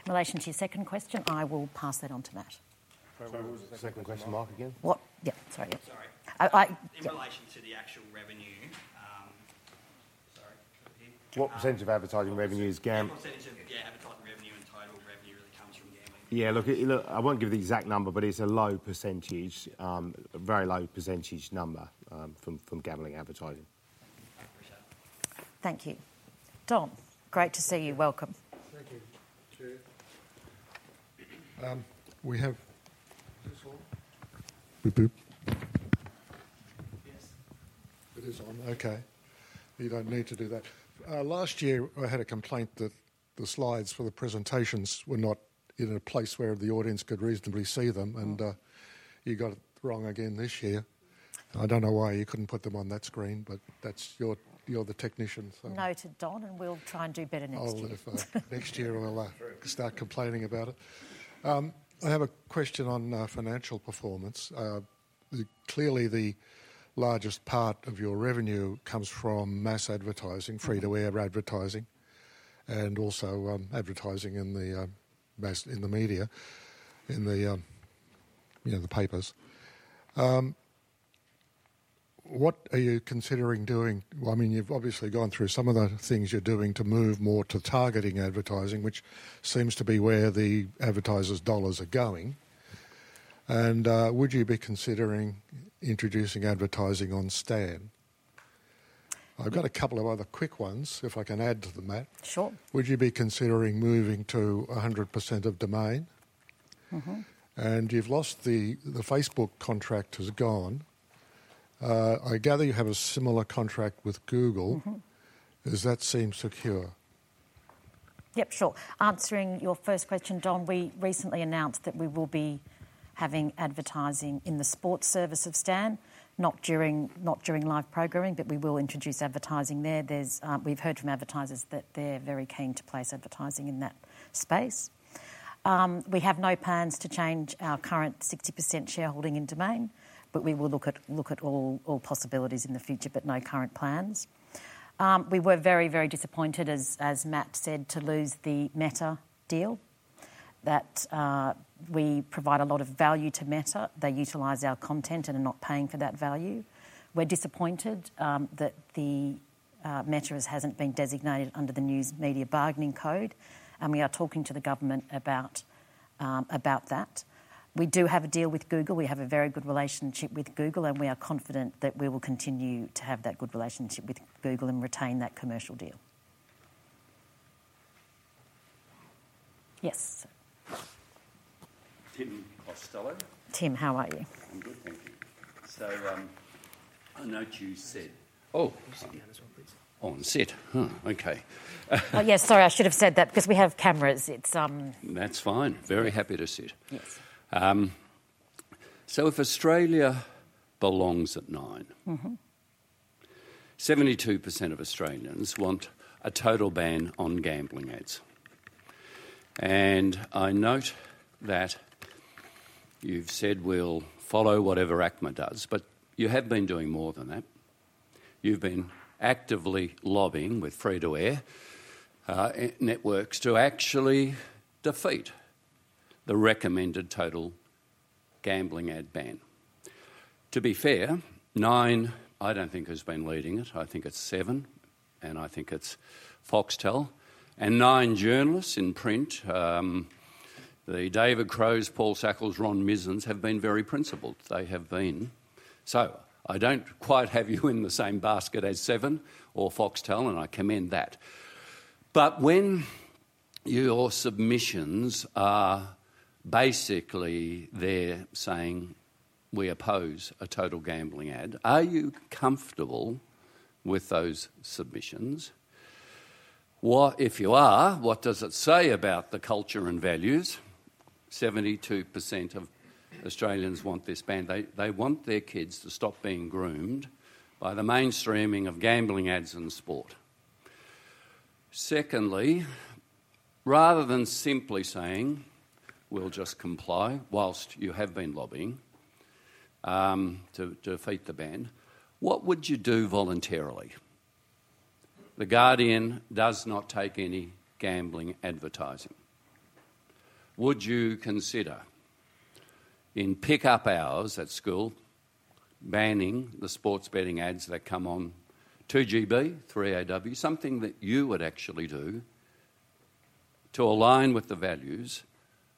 In relation to your second question, I will pass that on to Matt. Second question, Mark again? What? Yeah, sorry. In relation to the actual revenue, sorry. What percentage of advertising revenue is gambling? Yeah, advertising revenue and total revenue really comes from gambling. Yeah, look, I won't give the exact number, but it's a low percentage, a very low percentage number from gambling advertising. Thank you. Don, great to see you. Welcome. Thank you. We have this on? Yes, it is on. Okay. You don't need to do that. Last year, I had a complaint that the slides for the presentations were not in a place where the audience could reasonably see them, and you got it wrong again this year. I don't know why you couldn't put them on that screen, but you're the technician. Noted, Don, and we'll try and do better next year. I'll do it for you. Next year, I'll start complaining about it. I have a question on financial performance. Clearly, the largest part of your revenue comes from mass advertising, free-to-air advertising, and also advertising in the media, in the papers. What are you considering doing? Well, I mean, you've obviously gone through some of the things you're doing to move more to targeting advertising, which seems to be where the advertisers' dollars are going. And would you be considering introducing advertising on Stan? I've got a couple of other quick ones, if I can add to them, Matt. Sure. Would you be considering moving to 100% of Domain? And you've lost the Facebook contract. Has gone. I gather you have a similar contract with Google. Does that seem secure? Yep, sure. Answering your first question, Don, we recently announced that we will be having advertising in the sports service of Stan, not during live programming, but we will introduce advertising there. We've heard from advertisers that they're very keen to place advertising in that space. We have no plans to change our current 60% shareholding in Domain, but we will look at all possibilities in the future, but no current plans. We were very, very disappointed, as Matt said, to lose the Meta deal, that we provide a lot of value to Meta. They utilize our content and are not paying for that value. We're disappointed that the Meta hasn't been designated under the News Media Bargaining Code, and we are talking to the government about that. We do have a deal with Google. We have a very good relationship with Google, and we are confident that we will continue to have that good relationship with Google and retain that commercial deal. Yes. Tim Costello. Tim, how are you? I'm good, thank you. So I note you said. Oh, you sit down as well, please. Oh, and sit. Okay. Yes, sorry, I should have said that because we have cameras. That's fine. Very happy to sit. So if Australia belongs at Nine, 72% of Australians want a total ban on gambling ads. And I note that you've said we'll follow whatever ACMA does, but you have been doing more than that. You've been actively lobbying with free-to-air networks to actually defeat the recommended total gambling ad ban. To be fair, Nine, I don't think, has been leading it. I think it's Seven, and I think it's Foxtel. And Nine journalists in print, the David Crowe, Paul Sakkal, Ron Mizen, have been very principled. They have been. So I don't quite have you in the same basket as Seven or Foxtel, and I commend that. But when your submissions are basically there saying, "We oppose a total gambling ad," are you comfortable with those submissions? If you are, what does it say about the culture and values? 72% of Australians want this ban. They want their kids to stop being groomed by the mainstreaming of gambling ads and sport. Secondly, rather than simply saying, "We'll just comply," while you have been lobbying to defeat the ban, what would you do voluntarily? The Guardian does not take any gambling advertising. Would you consider, in pickup hours at school, banning the sports betting ads that come on 2GB, 3AW, something that you would actually do to align with the values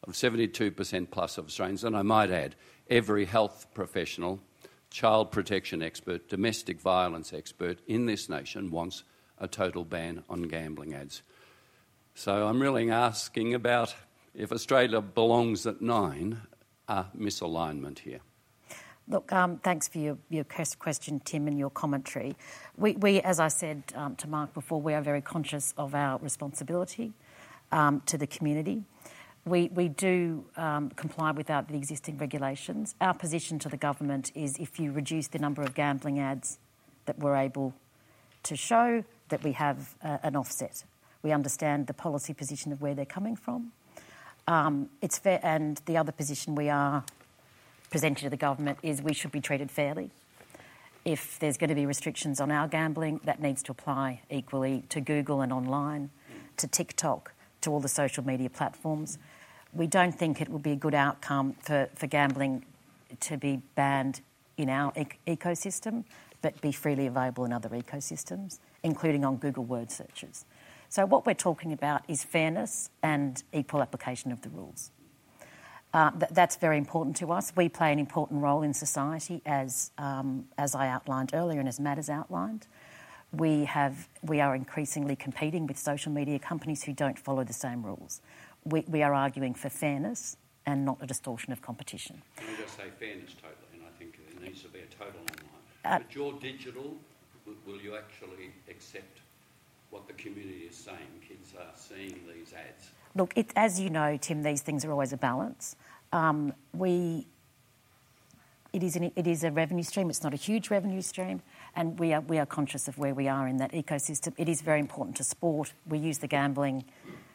of 72% plus of Australians? And I might add, every health professional, child protection expert, domestic violence expert in this nation wants a total ban on gambling ads. So I'm really asking about the misalignment here at Nine. Look, thanks for your question, Tim, and your commentary. As I said to Mark before, we are very conscious of our responsibility to the community. We do comply with the existing regulations. Our position to the government is if you reduce the number of gambling ads that we're able to show, that we have an offset. We understand the policy position of where they're coming from. And the other position we are presenting to the government is we should be treated fairly. If there's going to be restrictions on our gambling, that needs to apply equally to Google and online, to TikTok, to all the social media platforms. We don't think it would be a good outcome for gambling to be banned in our ecosystem, but be freely available in other ecosystems, including on Google word searches. So what we're talking about is fairness and equal application of the rules. That's very important to us. We play an important role in society, as I outlined earlier and as Matt has outlined. We are increasingly competing with social media companies who don't follow the same rules. We are arguing for fairness and not a distortion of competition. Can we just say fairness totally? And I think there needs to be a total ban online. But your digital, will you actually accept what the community is saying? Kids are seeing these ads. Look, as you know, Tim, these things are always a balance. It is a revenue stream. It's not a huge revenue stream. And we are conscious of where we are in that ecosystem. It is very important to sport. We use the gambling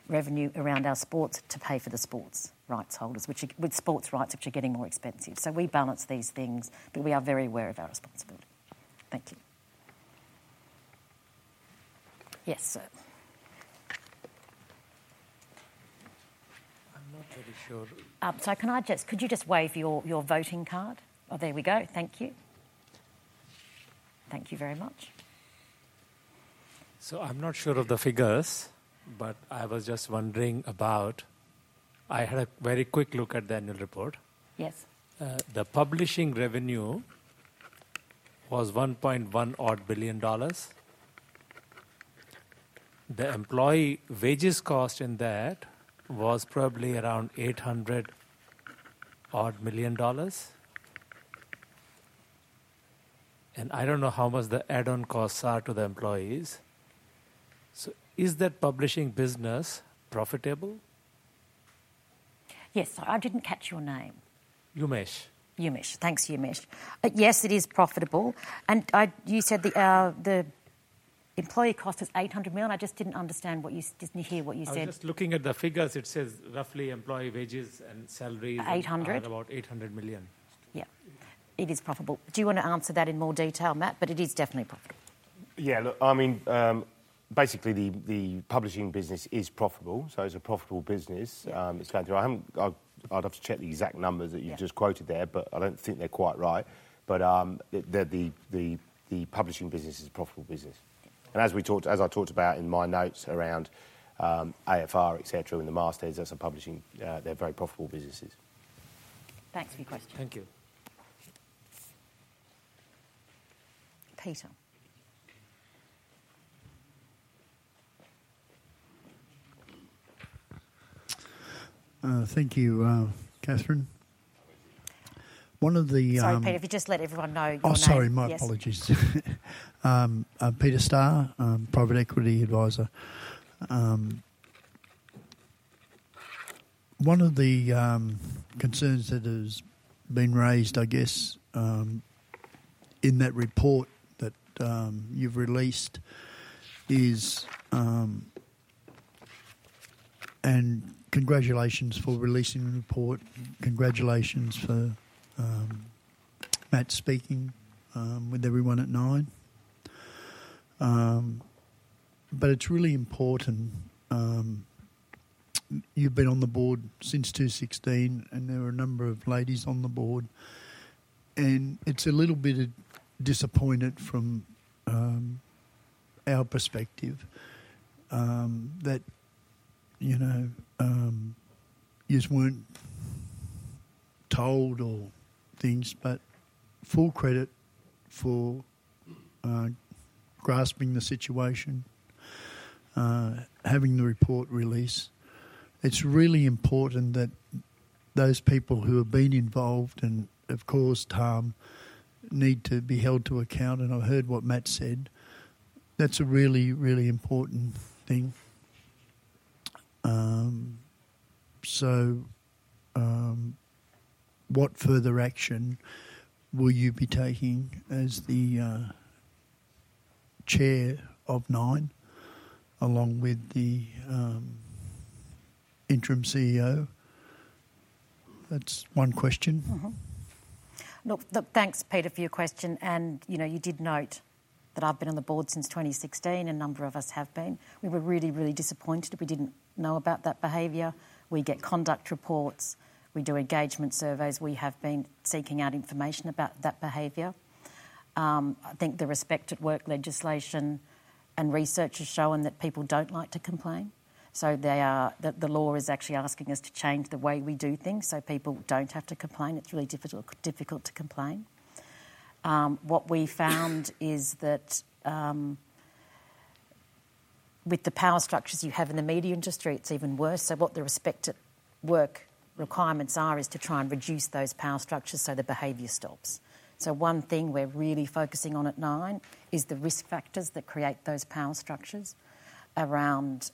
revenue around our sports to pay for the sports rights holders, with sports rights which are getting more expensive. So we balance these things, but we are very aware of our responsibility. Thank you. Yes, sir. I'm not really sure. So can I just, could you just wave your voting card? Oh, there we go. Thank you. Thank you very much. I'm not sure of the figures, but I was just wondering about. I had a very quick look at the annual report. Yes. The publishing revenue was AUD 1.1 billion. The employee wages cost in that was probably around AUD 800 million. And I don't know how much the add-on costs are to the employees. So is that publishing business profitable? Yes, sorry, I didn't catch your name. Yumesh. Yumesh. Thanks, Yumesh. Yes, it is profitable. You said the employee cost is 800 million. I just didn't understand what you didn't hear what you said. I'm just looking at the figures. It says roughly employee wages and salaries. $800. About 800 million. Yeah. It is profitable. Do you want to answer that in more detail, Matt? But it is definitely profitable. Yeah, look, I mean, basically, the publishing business is profitable. So it's a profitable business. I'd have to check the exact numbers that you just quoted there, but I don't think they're quite right. But the publishing business is a profitable business. And as I talked about in my notes around AFR, etc., in the mastheads, that's publishing, they're very profitable businesses. Thanks for your question. Thank you. Peter. Thank you, Catherine. One of the. Sorry, Peter. If you just let everyone know you're on air. Oh, sorry, my apologies. Peter Starr, Private Equity Advisor. One of the concerns that has been raised, I guess, in that report that you've released is, and congratulations for releasing the report, congratulations for Matt speaking with everyone at Nine. But it's really important. You've been on the board since 2016, and there were a number of ladies on the board. And it's a little bit disappointing from our perspective that you just weren't told or things, but full credit for grasping the situation, having the report release. It's really important that those people who have been involved and have caused harm need to be held to account. And I heard what Matt said. That's a really, really important thing. So what further action will you be taking as the Chair of Nine, along with the Interim CEO? That's one question. Look, thanks, Peter, for your question. You did note that I've been on the board since 2016, and a number of us have been. We were really, really disappointed if we didn't know about that behavior. We get conduct reports. We do engagement surveys. We have been seeking out information about that behavior. I think the Respect@Work legislation and research has shown that people don't like to complain. The law is actually asking us to change the way we do things so people don't have to complain. It's really difficult to complain. What we found is that with the power structures you have in the media industry, it's even worse. What the Respect@Work requirements are is to try and reduce those power structures so the behavior stops. So one thing we're really focusing on at Nine is the risk factors that create those power structures around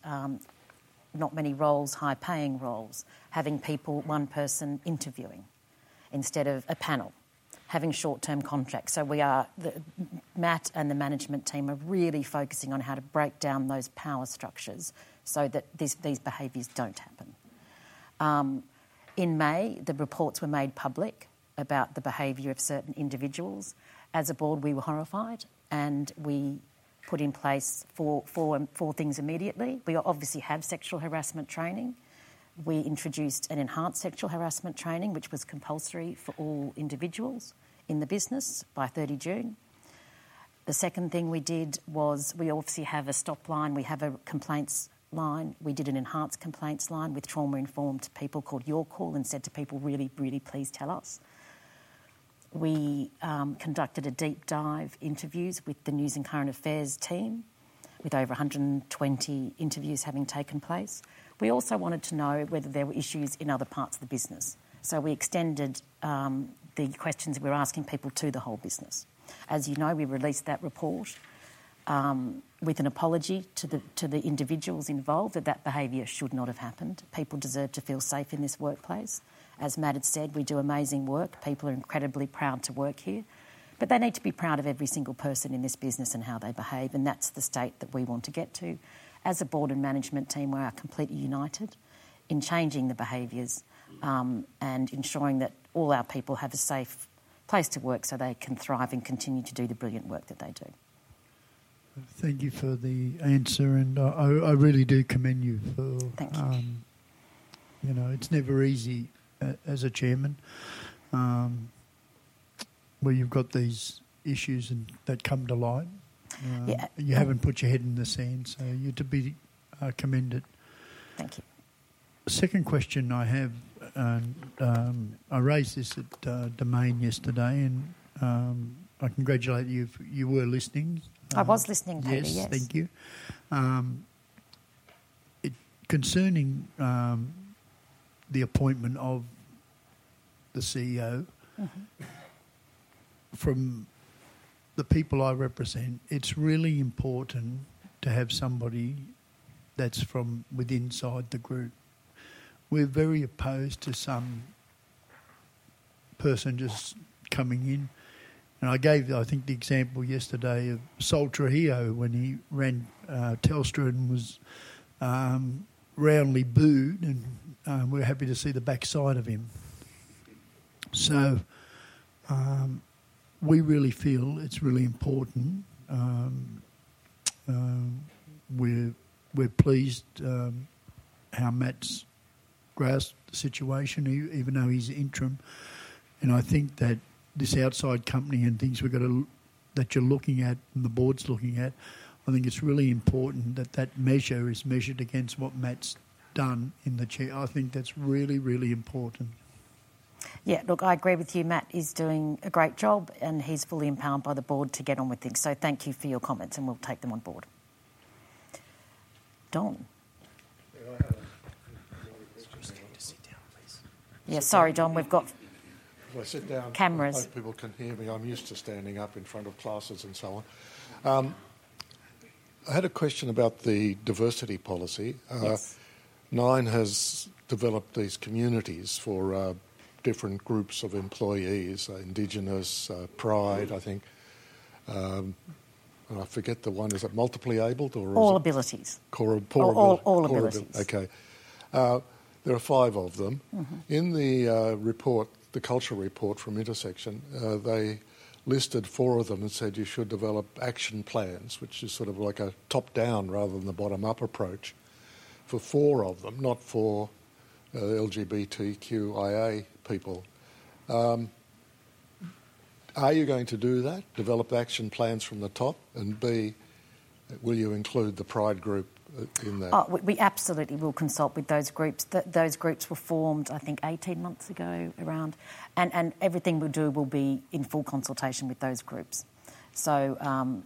not many roles, high-paying roles, having one person interviewing instead of a panel, having short-term contracts. So Matt and the management team are really focusing on how to break down those power structures so that these behaviors don't happen. In May, the reports were made public about the behavior of certain individuals. As a board, we were horrified, and we put in place four things immediately. We obviously have sexual harassment training. We introduced an enhanced sexual harassment training, which was compulsory for all individuals in the business by 30 June. The second thing we did was we obviously have a stop line. We have a complaints line. We did an enhanced complaints line with trauma-informed people called Your Call and said to people, "Really, really please tell us." We conducted deep-dive interviews with the news and current affairs team, with over 120 interviews having taken place. We also wanted to know whether there were issues in other parts of the business. So we extended the questions we were asking people to the whole business. As you know, we released that report with an apology to the individuals involved that that behavior should not have happened. People deserve to feel safe in this workplace. As Matt had said, we do amazing work. People are incredibly proud to work here. But they need to be proud of every single person in this business and how they behave. And that's the state that we want to get to. As a board and management team, we are completely united in changing the behaviors and ensuring that all our people have a safe place to work so they can thrive and continue to do the brilliant work that they do. Thank you for the answer, and I really do commend you for. Thank you. You know, it's never easy as a chairman where you've got these issues that come to light. You haven't put your head in the sand, so you're to be commended. Thank you. Second question I have, and I raised this at Domain yesterday, and I congratulate you if you were listening. I was listening, Peter. Yes. Yes, thank you. Concerning the appointment of the CEO, from the people I represent, it's really important to have somebody that's from with inside the group. We're very opposed to some person just coming in. And I gave, I think, the example yesterday of Sol Trujillo when he ran Telstra and was roundly booed, and we're happy to see the backside of him. So we really feel it's really important. We're pleased how Matt's grasped the situation, even though he's interim. And I think that this outside company and things that you're looking at and the board's looking at, I think it's really important that that measure is measured against what Matt's done in the chair. I think that's really, really important. Yeah, look, I agree with you. Matt is doing a great job, and he's fully empowered by the board to get on with things. So thank you for your comments, and we'll take them on board. Don. I have a question. Yeah, sorry, Don. We've got. If I sit down. Cameras. I hope people can hear me. I'm used to standing up in front of classes and so on. I had a question about the diversity policy. Nine has developed these communities for different groups of employees, Indigenous, Pride, I think. I forget the one. Is it multiply abled or is it? All abilities. Poor abilities. All abilities. Okay. There are five of them. In the report, the culture report from Intersection, they listed four of them and said you should develop action plans, which is sort of like a top-down rather than the bottom-up approach for four of them, not for LGBTQIA people. Are you going to do that, develop action plans from the top? And B, will you include the Pride group in that? We absolutely will consult with those groups. Those groups were formed, I think, 18 months ago around. And everything we do will be in full consultation with those groups. So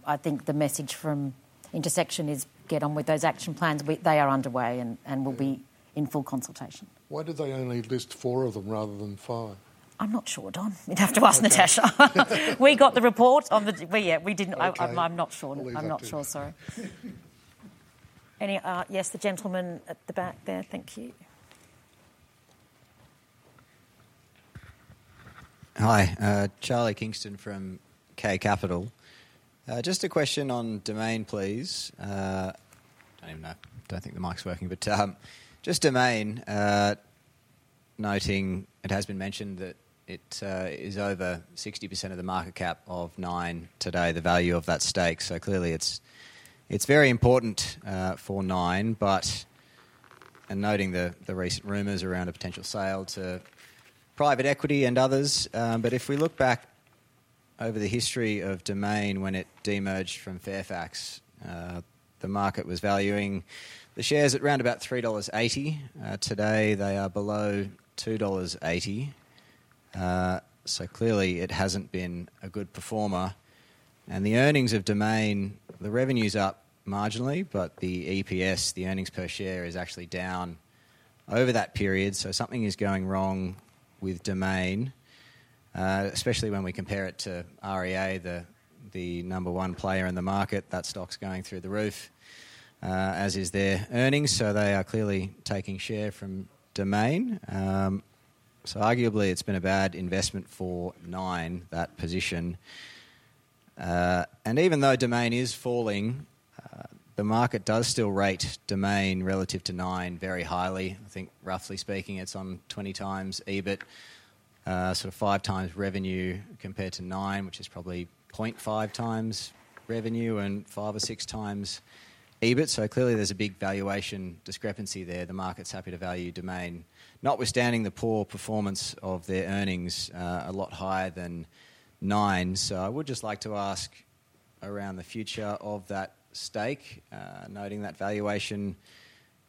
I think the message from Intersection is get on with those action plans. They are underway, and we'll be in full consultation. Why did they only list four of them rather than five? I'm not sure, Don. We'd have to ask Natasha. We got the report on the, yeah, we didn't. I'm not sure. I'm not sure, sorry. And yes, the gentleman at the back there. Thank you. Hi, Charlie Kingston from K Capital. Just a question on Domain, please. But just Domain, noting it has been mentioned that it is over 60% of the market cap of Nine today, the value of that stake. So clearly, it's very important for Nine, but, and noting the recent rumors around a potential sale to Private Equity and others. But if we look back over the history of Domain when it demerged from Fairfax, the market was valuing the shares at around about 3.80 dollars. Today, they are below 2.80 dollars. So clearly, it hasn't been a good performer. And the earnings of Domain, the revenue's up marginally, but the EPS, the earnings per share, is actually down over that period. So something is going wrong with Domain, especially when we compare it to REA, the number one player in the market. That stock's going through the roof, as is their earnings. So they are clearly taking share from Domain. So arguably, it's been a bad investment for Nine, that position. And even though Domain is falling, the market does still rate Domain relative to Nine very highly. I think, roughly speaking, it's on 20 times EBIT, sort of five times revenue compared to Nine, which is probably 0.5 times revenue and five or six times EBIT. So clearly, there's a big valuation discrepancy there. The market's happy to value Domain, notwithstanding the poor performance of their earnings a lot higher than Nine. So I would just like to ask around the future of that stake, noting that valuation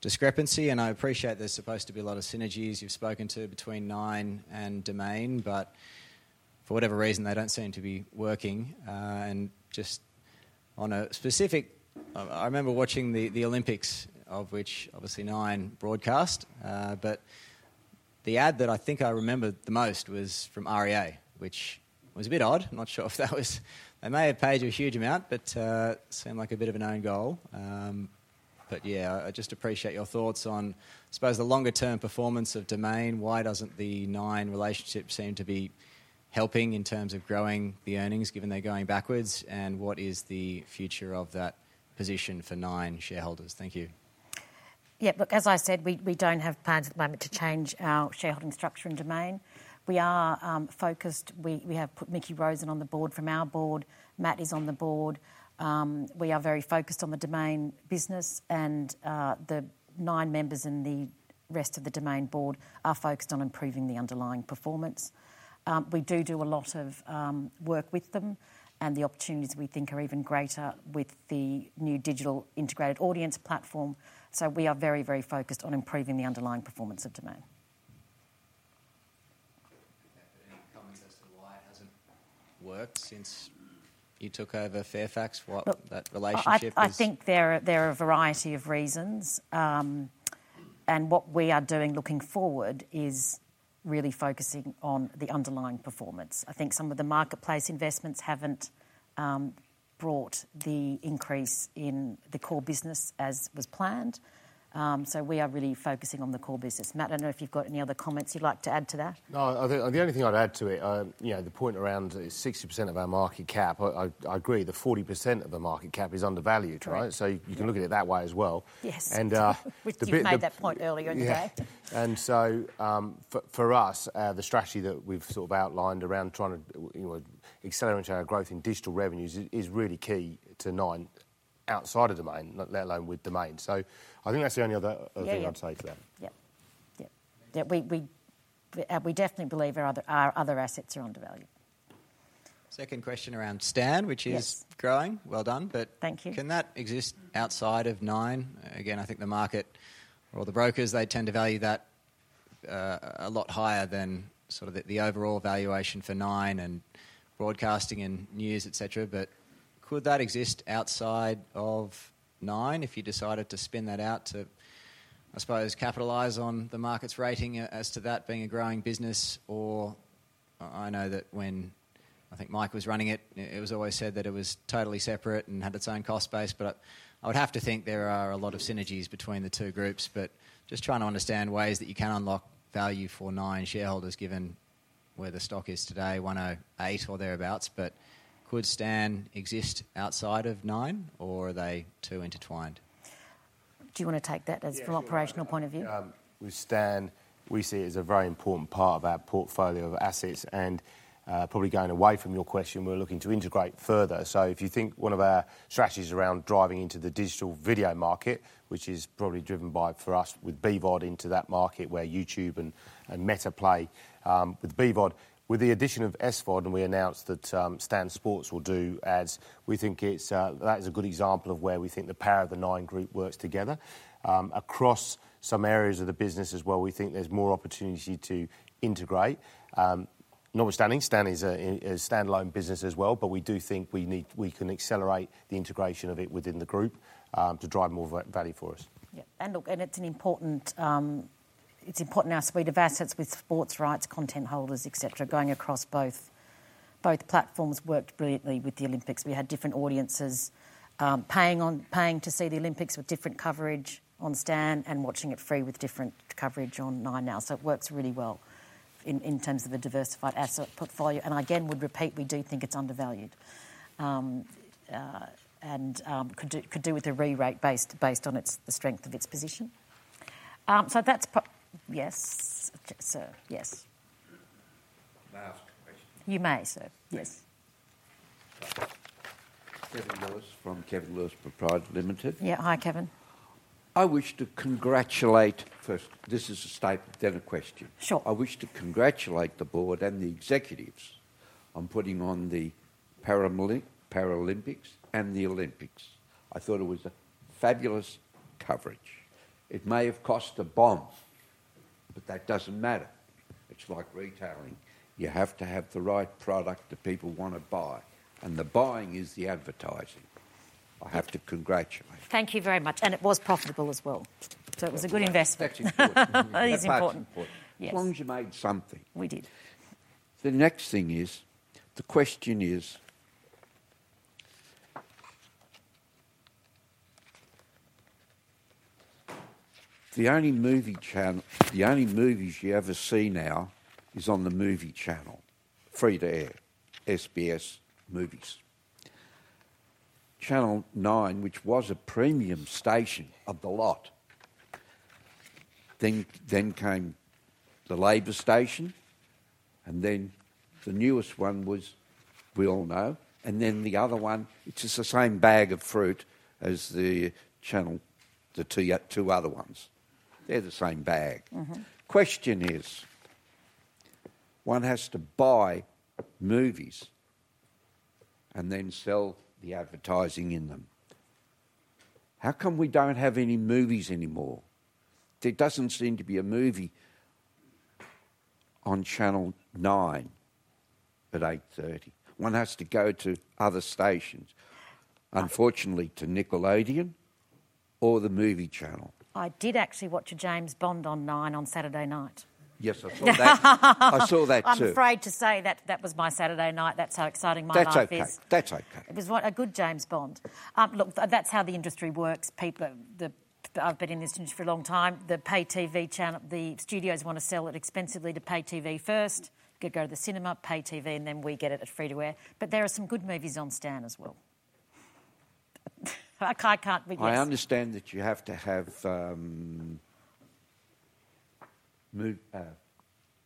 discrepancy. And I appreciate there's supposed to be a lot of synergies you've spoken to between Nine and Domain, but for whatever reason, they don't seem to be working. And just on a specific, I remember watching the Olympics, of which obviously Nine broadcast, but the ad that I think I remembered the most was from REA, which was a bit odd. I'm not sure if that was, they may have paid you a huge amount, but it seemed like a bit of an own goal. But yeah, I just appreciate your thoughts on, I suppose, the longer-term performance of Domain. Why doesn't the Nine relationship seem to be helping in terms of growing the earnings, given they're going backwards? And what is the future of that position for Nine shareholders? Thank you. Yeah, look, as I said, we don't have plans at the moment to change our shareholding structure in Domain. We are focused. We have put Mickie Rosen on the board from our board. Matt is on the board. We are very focused on the Domain business, and the Nine members and the rest of the Domain board are focused on improving the underlying performance. We do do a lot of work with them, and the opportunities we think are even greater with the new digital integrated audience platform. So we are very, very focused on improving the underlying performance of Domain. Any comments as to why it hasn't worked since you took over Fairfax? What that relationship is? I think there are a variety of reasons, and what we are doing looking forward is really focusing on the underlying performance. I think some of the marketplace investments haven't brought the increase in the core business as was planned, so we are really focusing on the core business. Matt, I don't know if you've got any other comments you'd like to add to that. No, the only thing I'd add to it, you know, the point around the 60% of our market cap, I agree, the 40% of the market cap is undervalued, right? So you can look at it that way as well. Yes, you made that point earlier in the day. And so for us, the strategy that we've sort of outlined around trying to accelerate our growth in digital revenues is really key to Nine outside of Domain, let alone with Domain. So I think that's the only other thing I'd say to that. Yeah, yeah. We definitely believe our other assets are undervalued. Second question around Stan, which is growing. Well done. But can that exist outside of Nine? Again, I think the market or the brokers, they tend to value that a lot higher than sort of the overall valuation for Nine and broadcasting and news, etc. But could that exist outside of Nine if you decided to spin that out to, I suppose, capitalize on the market's rating as to that being a growing business? Or I know that when I think Mike was running it, it was always said that it was totally separate and had its own cost base. But I would have to think there are a lot of synergies between the two groups. But just trying to understand ways that you can unlock value for Nine shareholders given where the stock is today, 1.08 or thereabouts. But could Stan exist outside of Nine, or are they too intertwined? Do you want to take that from an operational point of view? With Stan, we see it as a very important part of our portfolio of assets. And probably going away from your question, we're looking to integrate further. So if you think one of our strategies around driving into the digital video market, which is probably driven by, for us, with BVOD into that market where YouTube and Meta play, with BVOD, with the addition of SVOD, and we announced that Stan Sport will do ads, we think that is a good example of where we think the power of the Nine group works together. Across some areas of the business as well, we think there's more opportunity to integrate. Notwithstanding, Stan is a standalone business as well, but we do think we can accelerate the integration of it within the group to drive more value for us. Yeah. And look, and it's an important suite of assets with sports rights, content holders, etc., going across both. Both platforms worked brilliantly with the Olympics. We had different audiences paying to see the Olympics with different coverage on Stan and watching it free with different coverage on 9Now. So it works really well in terms of the diversified asset portfolio. And again, would repeat, we do think it's undervalued and could do with a re-rate based on the strength of its position. So that's, yes, sir, yes. Can I ask a question? You may, sir. Yes. Kevin Lewis from Kevin Lewis Pty Limited. Yeah, hi, Kevin. I wish to congratulate. First, this is a statement, then a question. Sure. I wish to congratulate the board and the executives on putting on the Paralympics and the Olympics. I thought it was fabulous coverage. It may have cost a bomb, but that doesn't matter. It's like retailing. You have to have the right product that people want to buy. And the buying is the advertising. I have to congratulate. Thank you very much. And it was profitable as well. So it was a good investment. That is important. That is important. As long as you made something. We did. The next thing is, the question is, the only movie channel, the only movies you ever see now is on the movie channel, free to air, SBS movies. Channel Nine, which was a premium station of the lot, then came the Seven station, and then the newest one was, we all know, and then the other one, it's just the same bag of fruit as the channel, the two other ones. They're the same bag. Question is, one has to buy movies and then sell the advertising in them. How come we don't have any movies anymore? There doesn't seem to be a movie on Channel Nine at 8:30 P.M. One has to go to other stations, unfortunately to Nickelodeon or the movie channel. I did actually watch a James Bond on Nine on Saturday night. Yes, I saw that. I saw that too. I'm afraid to say that that was my Saturday night. That's how exciting my life is. That's okay. That's okay. It was a good James Bond. Look, that's how the industry works. I've been in this industry for a long time. The pay TV channel, the studios want to sell it expensively to pay TV first. You go to the cinema, pay TV, and then we get it at free to air. But there are some good movies on Stan as well. I can't really explain. I understand that you have to have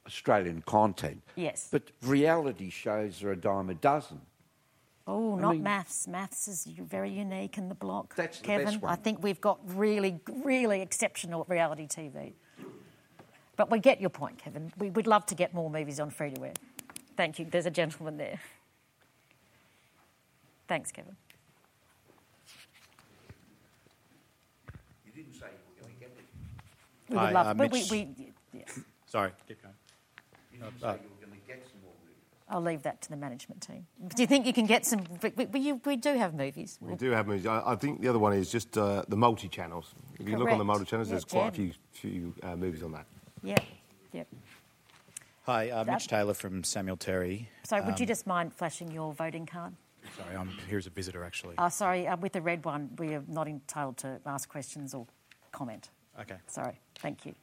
Australian content. Yes. But reality shows are a dime a dozen. Oh, not MAFS. MAFS is very unique in The Block. That's the next one. Kevin, I think we've got really, really exceptional reality TV. But we get your point, Kevin. We'd love to get more movies on free to air. Thank you. There's a gentleman there. Thanks, Kevin. You didn't say you were going to get any? We would love, but we yes. Sorry. Keep going. You didn't say you were going to get some more movies. I'll leave that to the management team. Do you think you can get some? We do have movies. We do have movies. I think the other one is just the multi-channels. If you look on the multi-channels, there's quite a few movies on that. Yeah, yeah. Hi, Mitch Taylor from Samuel Terry. Sorry, would you just mind flashing your voting card? Sorry, here's a visitor, actually. Oh, sorry. With the red one, we are not entitled to ask questions or comment. Okay. Sorry. Thank you.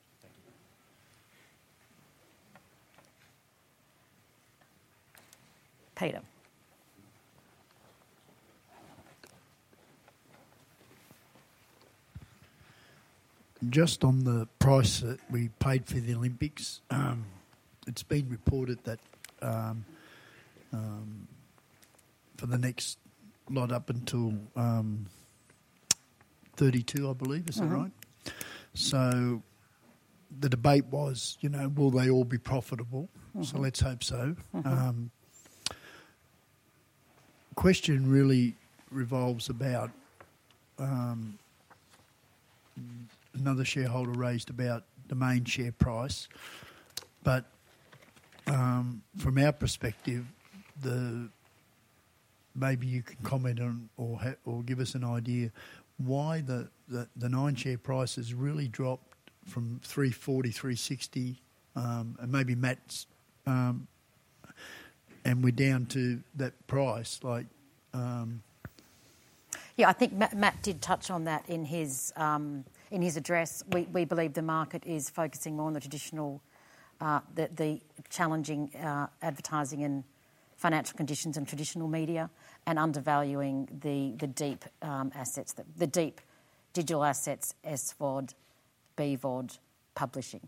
Peter. Just on the price that we paid for the Olympics, it's been reported that for the next lot up until '32, I believe, is that right? So the debate was, you know, will they all be profitable? So let's hope so. Question really revolves about another shareholder raised about the main share price. But from our perspective, maybe you can comment or give us an idea why the Nine share price has really dropped from 3.40, 3.60, and maybe Matt's, and we're down to that price, like. Yeah, I think Matt did touch on that in his address. We believe the market is focusing more on the traditional, the challenging advertising and financial conditions in traditional media and undervaluing the deep assets, the deep digital assets, SVOD, BVOD, publishing.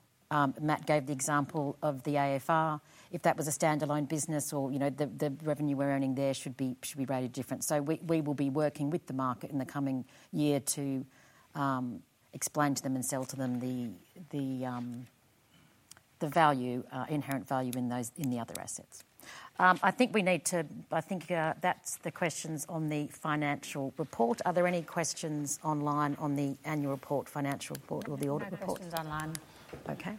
Matt gave the example of the AFR. If that was a standalone business or, you know, the revenue we're earning there should be rated different. So we will be working with the market in the coming year to explain to them and sell to them the value, inherent value in the other assets. I think we need to, I think that's the questions on the financial report. Are there any questions online on the annual report, financial report, or the audit report? No questions online. Okay.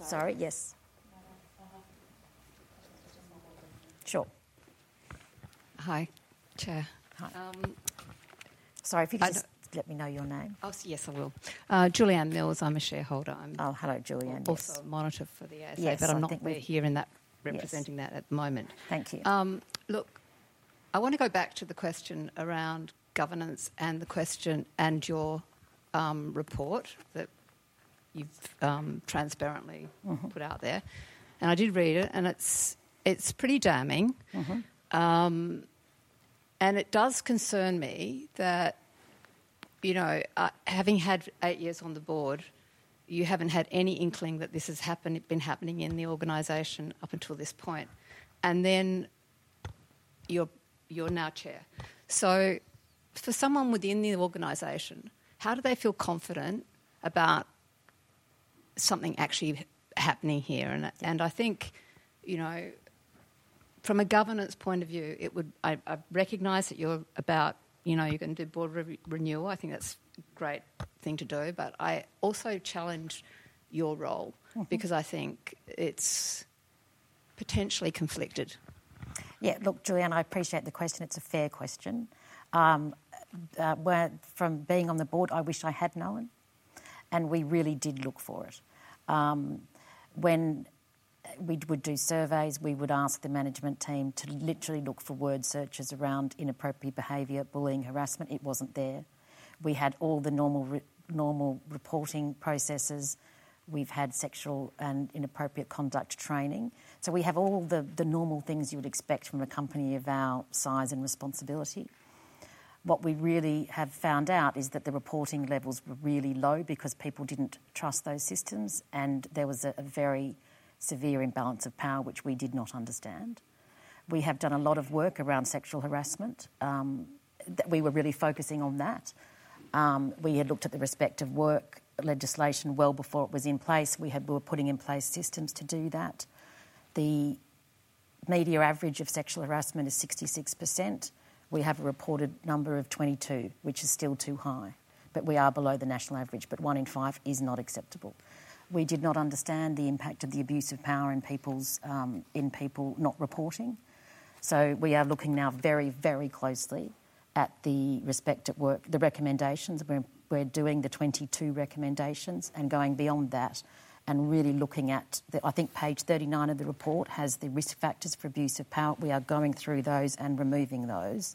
Sorry, yes. Sure. Hi, Chair. Hi. Sorry, if you just let me know your name. Yes, I will. Julianne Wilms, I'm a shareholder. Oh, hello, Julianne. Also monitor for the ACSI. Yeah, but I'm not here representing that at the moment. Thank you. Look, I want to go back to the question around governance and the question and your report that you've transparently put out there. And I did read it, and it's pretty damning. And it does concern me that, you know, having had eight years on the board, you haven't had any inkling that this has been happening in the organization up until this point. And then you're now Chair. So for someone within the organization, how do they feel confident about something actually happening here? And I think, you know, from a governance point of view, I recognise that you're about, you know, you're going to do board renewal. I think that's a great thing to do. But I also challenge your role because I think it's potentially conflicted. Yeah, look, Julianne, I appreciate the question. It's a fair question. From being on the board, I wish I had known. And we really did look for it. When we would do surveys, we would ask the management team to literally look for word searches around inappropriate behavior, bullying, harassment. It wasn't there. We had all the normal reporting processes. We've had sexual and inappropriate conduct training. So we have all the normal things you would expect from a company of our size and responsibility. What we really have found out is that the reporting levels were really low because people didn't trust those systems. And there was a very severe imbalance of power, which we did not understand. We have done a lot of work around sexual harassment. We were really focusing on that. We had looked at the respectful workplace legislation well before it was in place. We were putting in place systems to do that. The meeting average of sexual harassment is 66%. We have a reported number of 22, which is still too high. But we are below the national average. But one in five is not acceptable. We did not understand the impact of the abuse of power in people not reporting. So we are looking now very, very closely at the Intersection work, the recommendations. We're doing the 22 recommendations and going beyond that and really looking at, I think page 39 of the report has the risk factors for abuse of power. We are going through those and removing those.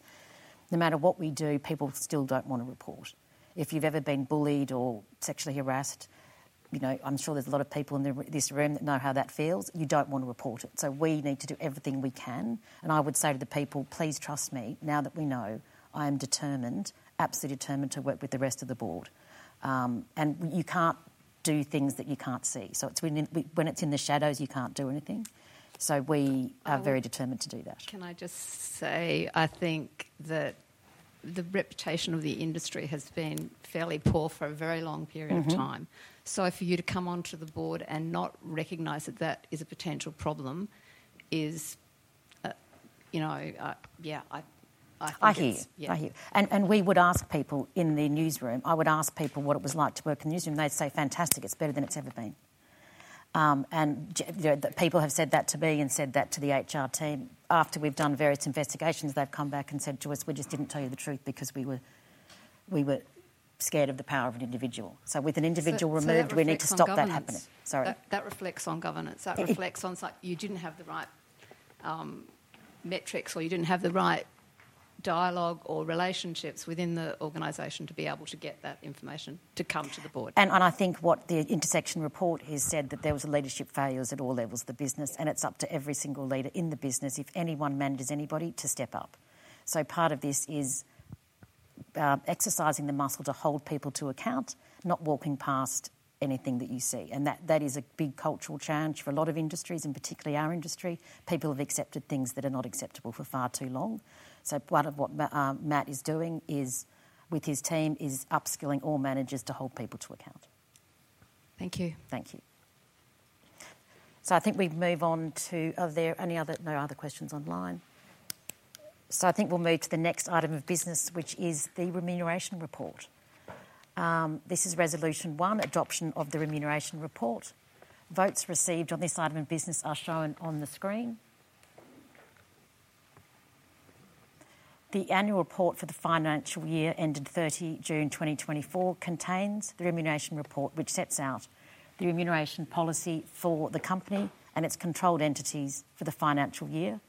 No matter what we do, people still don't want to report. If you've ever been bullied or sexually harassed, you know, I'm sure there's a lot of people in this room that know how that feels. You don't want to report it. So we need to do everything we can. And I would say to the people, please trust me, now that we know, I am determined, absolutely determined to work with the rest of the board. And you can't do things that you can't see. So when it's in the shadows, you can't do anything. So we are very determined to do that. Can I just say, I think that the reputation of the industry has been fairly poor for a very long period of time. So for you to come onto the board and not recognize that that is a potential problem is, you know, yeah, I think. I hear. And we would ask people in the newsroom. I would ask people what it was like to work in the newsroom. They'd say, "Fantastic. It's better than it's ever been." And people have said that to me and said that to the HR team. After we've done various investigations, they've come back and said to us, "We just didn't tell you the truth because we were scared of the power of an individual." So with an individual removed, we need to stop that happening. Sorry. That reflects on governance. That reflects on something. You didn't have the right metrics or you didn't have the right dialogue or relationships within the organization to be able to get that information to come to the board. And I think what the Intersection report has said, that there was leadership failures at all levels of the business. And it's up to every single leader in the business, if anyone manages anybody, to step up. So part of this is exercising the muscle to hold people to account, not walking past anything that you see. And that is a big cultural challenge for a lot of industries, and particularly our industry. People have accepted things that are not acceptable for far too long. So part of what Matt is doing with his team is upskilling all managers to hold people to account. Thank you. Thank you. So I think we move on to, are there any other questions online? So I think we'll move to the next item of business, which is the remuneration report. This is resolution one, adoption of the remuneration report. Votes received on this item of business are shown on the screen. The annual report for the financial year ended 30 June 2024 contains the remuneration report, which sets out the remuneration policy for the company and its controlled entities for the financial year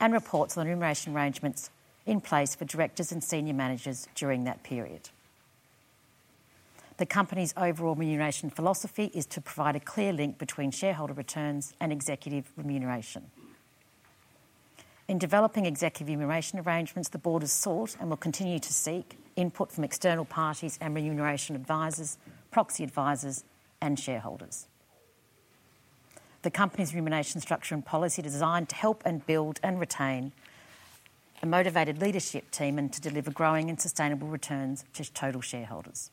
and reports on remuneration arrangements in place for directors and senior managers during that period. The company's overall remuneration philosophy is to provide a clear link between shareholder returns and executive remuneration. In developing executive remuneration arrangements, the board has sought and will continue to seek input from external parties and remuneration advisors, proxy advisors, and shareholders. The company's remuneration structure and policy are designed to help and build and retain a motivated leadership team and to deliver growing and sustainable returns to total shareholders.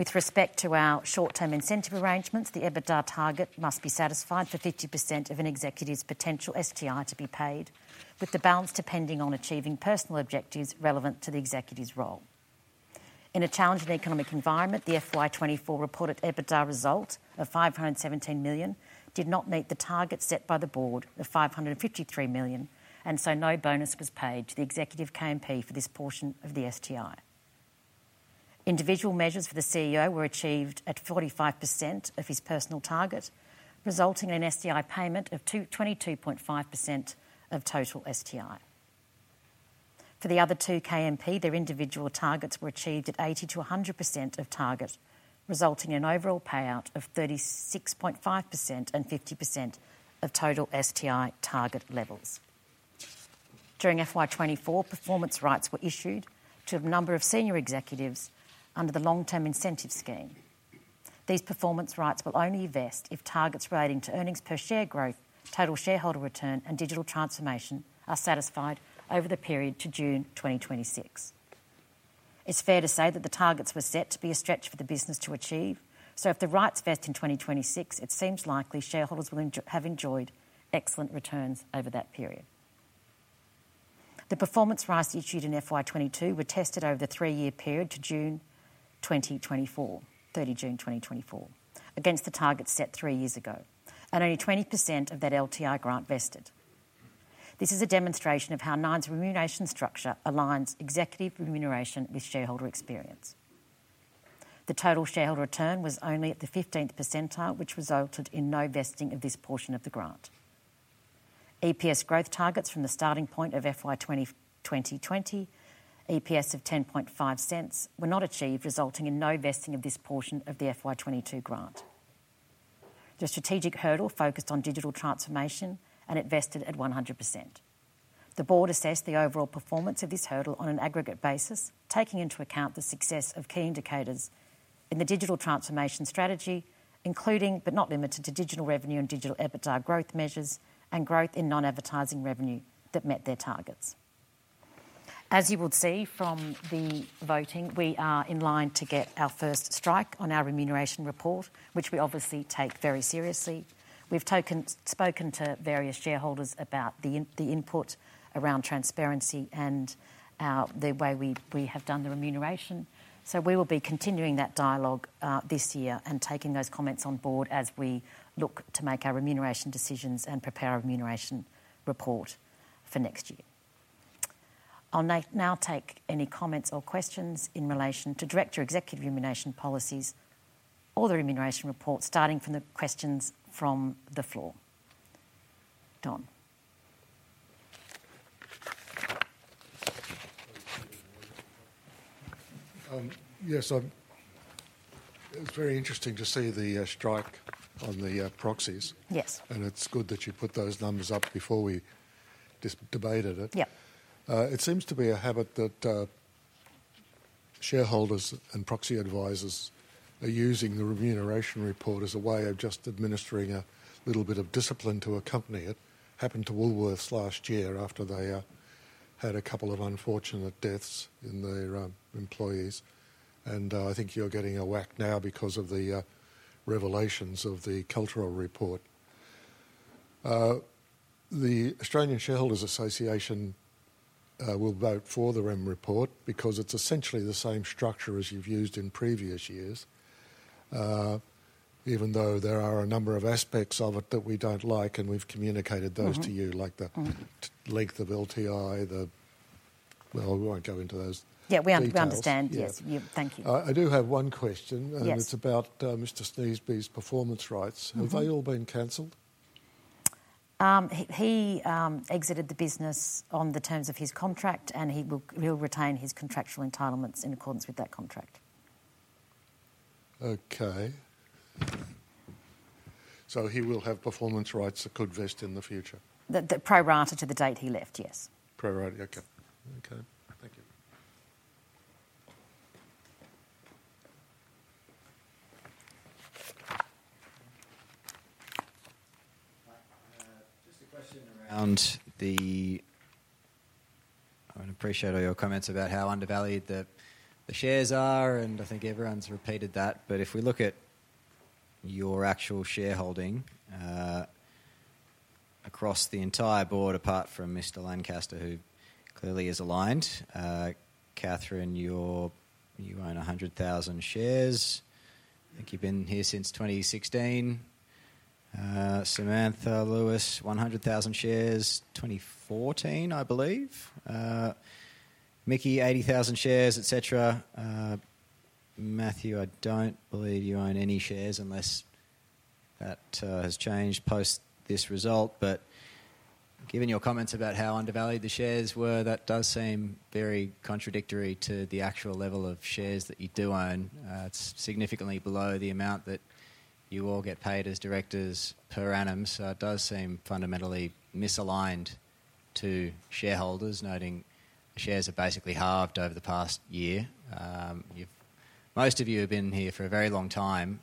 With respect to our short-term incentive arrangements, the EBITDA target must be satisfied for 50% of an executive's potential STI to be paid, with the balance depending on achieving personal objectives relevant to the executive's role. In a challenging economic environment, the FY24 reported EBITDA result of 517 million did not meet the target set by the board of 553 million, and so no bonus was paid to the executive KMP for this portion of the STI. Individual measures for the CEO were achieved at 45% of his personal target, resulting in an STI payment of 22.5% of total STI. For the other two KMP, their individual targets were achieved at 80%-100% of target, resulting in an overall payout of 36.5% and 50% of total STI target levels. During FY24, performance rights were issued to a number of senior executives under the long-term incentive scheme. These performance rights will only vest if targets relating to earnings per share growth, total shareholder return, and digital transformation are satisfied over the period to June 2026. It's fair to say that the targets were set to be a stretch for the business to achieve. So if the rights vest in 2026, it seems likely shareholders will have enjoyed excellent returns over that period. The performance rights issued in FY22 were tested over the three-year period to June 2024, 30 June 2024, against the targets set three years ago. And only 20% of that LTI grant vested. This is a demonstration of how Nine's remuneration structure aligns executive remuneration with shareholder experience. The total shareholder return was only at the 15th percentile, which resulted in no vesting of this portion of the grant. EPS growth targets from the starting point of FY2020, EPS of 0.10 were not achieved, resulting in no vesting of this portion of the FY22 grant. The strategic hurdle focused on digital transformation and it vested at 100%. The board assessed the overall performance of this hurdle on an aggregate basis, taking into account the success of key indicators in the digital transformation strategy, including but not limited to digital revenue and digital EBITDA growth measures and growth in non-advertising revenue that met their targets. As you will see from the voting, we are in line to get our first strike on our remuneration report, which we obviously take very seriously. We've spoken to various shareholders about the input around transparency and the way we have done the remuneration. So we will be continuing that dialogue this year and taking those comments on board as we look to make our remuneration decisions and prepare our remuneration report for next year. I'll now take any comments or questions in relation to director executive remuneration policies or the remuneration report, starting from the questions from the floor. Don. Yes, it was very interesting to see the strike on the proxies. Yes. It's good that you put those numbers up before we debated it. Yeah. It seems to be a habit that shareholders and proxy advisors are using the remuneration report as a way of just administering a little bit of discipline to a company. Happened to Woolworths last year after they had a couple of unfortunate deaths in their employees. And I think you're getting a whack now because of the revelations of the cultural report. The Australian Shareholders' Association will vote for the REM report because it's essentially the same structure as you've used in previous years, even though there are a number of aspects of it that we don't like, and we've communicated those to you, like the length of LTI, the... Well, we won't go into those. Yeah, we understand. Yes, thank you. I do have one question, and it's about Mr. Sneesby's performance rights. Have they all been canceled? He exited the business on the terms of his contract, and he will retain his contractual entitlements in accordance with that contract. Okay. So he will have performance rights that could vest in the future? Pro rata to the date he left, yes. Pro rata, okay. Okay, thank you. Just a question around the... I appreciate all your comments about how undervalued the shares are, and I think everyone's repeated that. But if we look at your actual shareholding across the entire board, apart from Mr. Lancaster, who clearly is aligned. Catherine, you own 100,000 shares. I think you've been here since 2016. Samantha Lewis, 100,000 shares, 2014, I believe. Mickie, 80,000 shares, et cetera. Matthew, I don't believe you own any shares unless that has changed post this result. But given your comments about how undervalued the shares were, that does seem very contradictory to the actual level of shares that you do own. It's significantly below the amount that you all get paid as directors per annum. So it does seem fundamentally misaligned to shareholders, noting shares are basically halved over the past year. Most of you have been here for a very long time,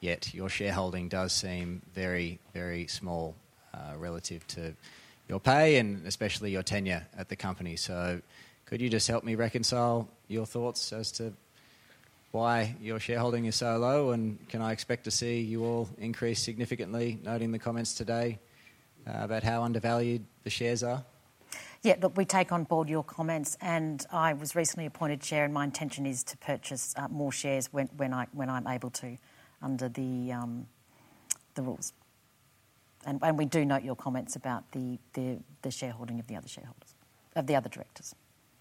yet your shareholding does seem very, very small relative to your pay and especially your tenure at the company. So could you just help me reconcile your thoughts as to why your shareholding is so low? And can I expect to see you all increase significantly, noting the comments today about how undervalued the shares are? Yeah, look, we take on board your comments. And I was recently appointed chair, and my intention is to purchase more shares when I'm able to under the rules. And we do note your comments about the shareholding of the other shareholders, of the other directors.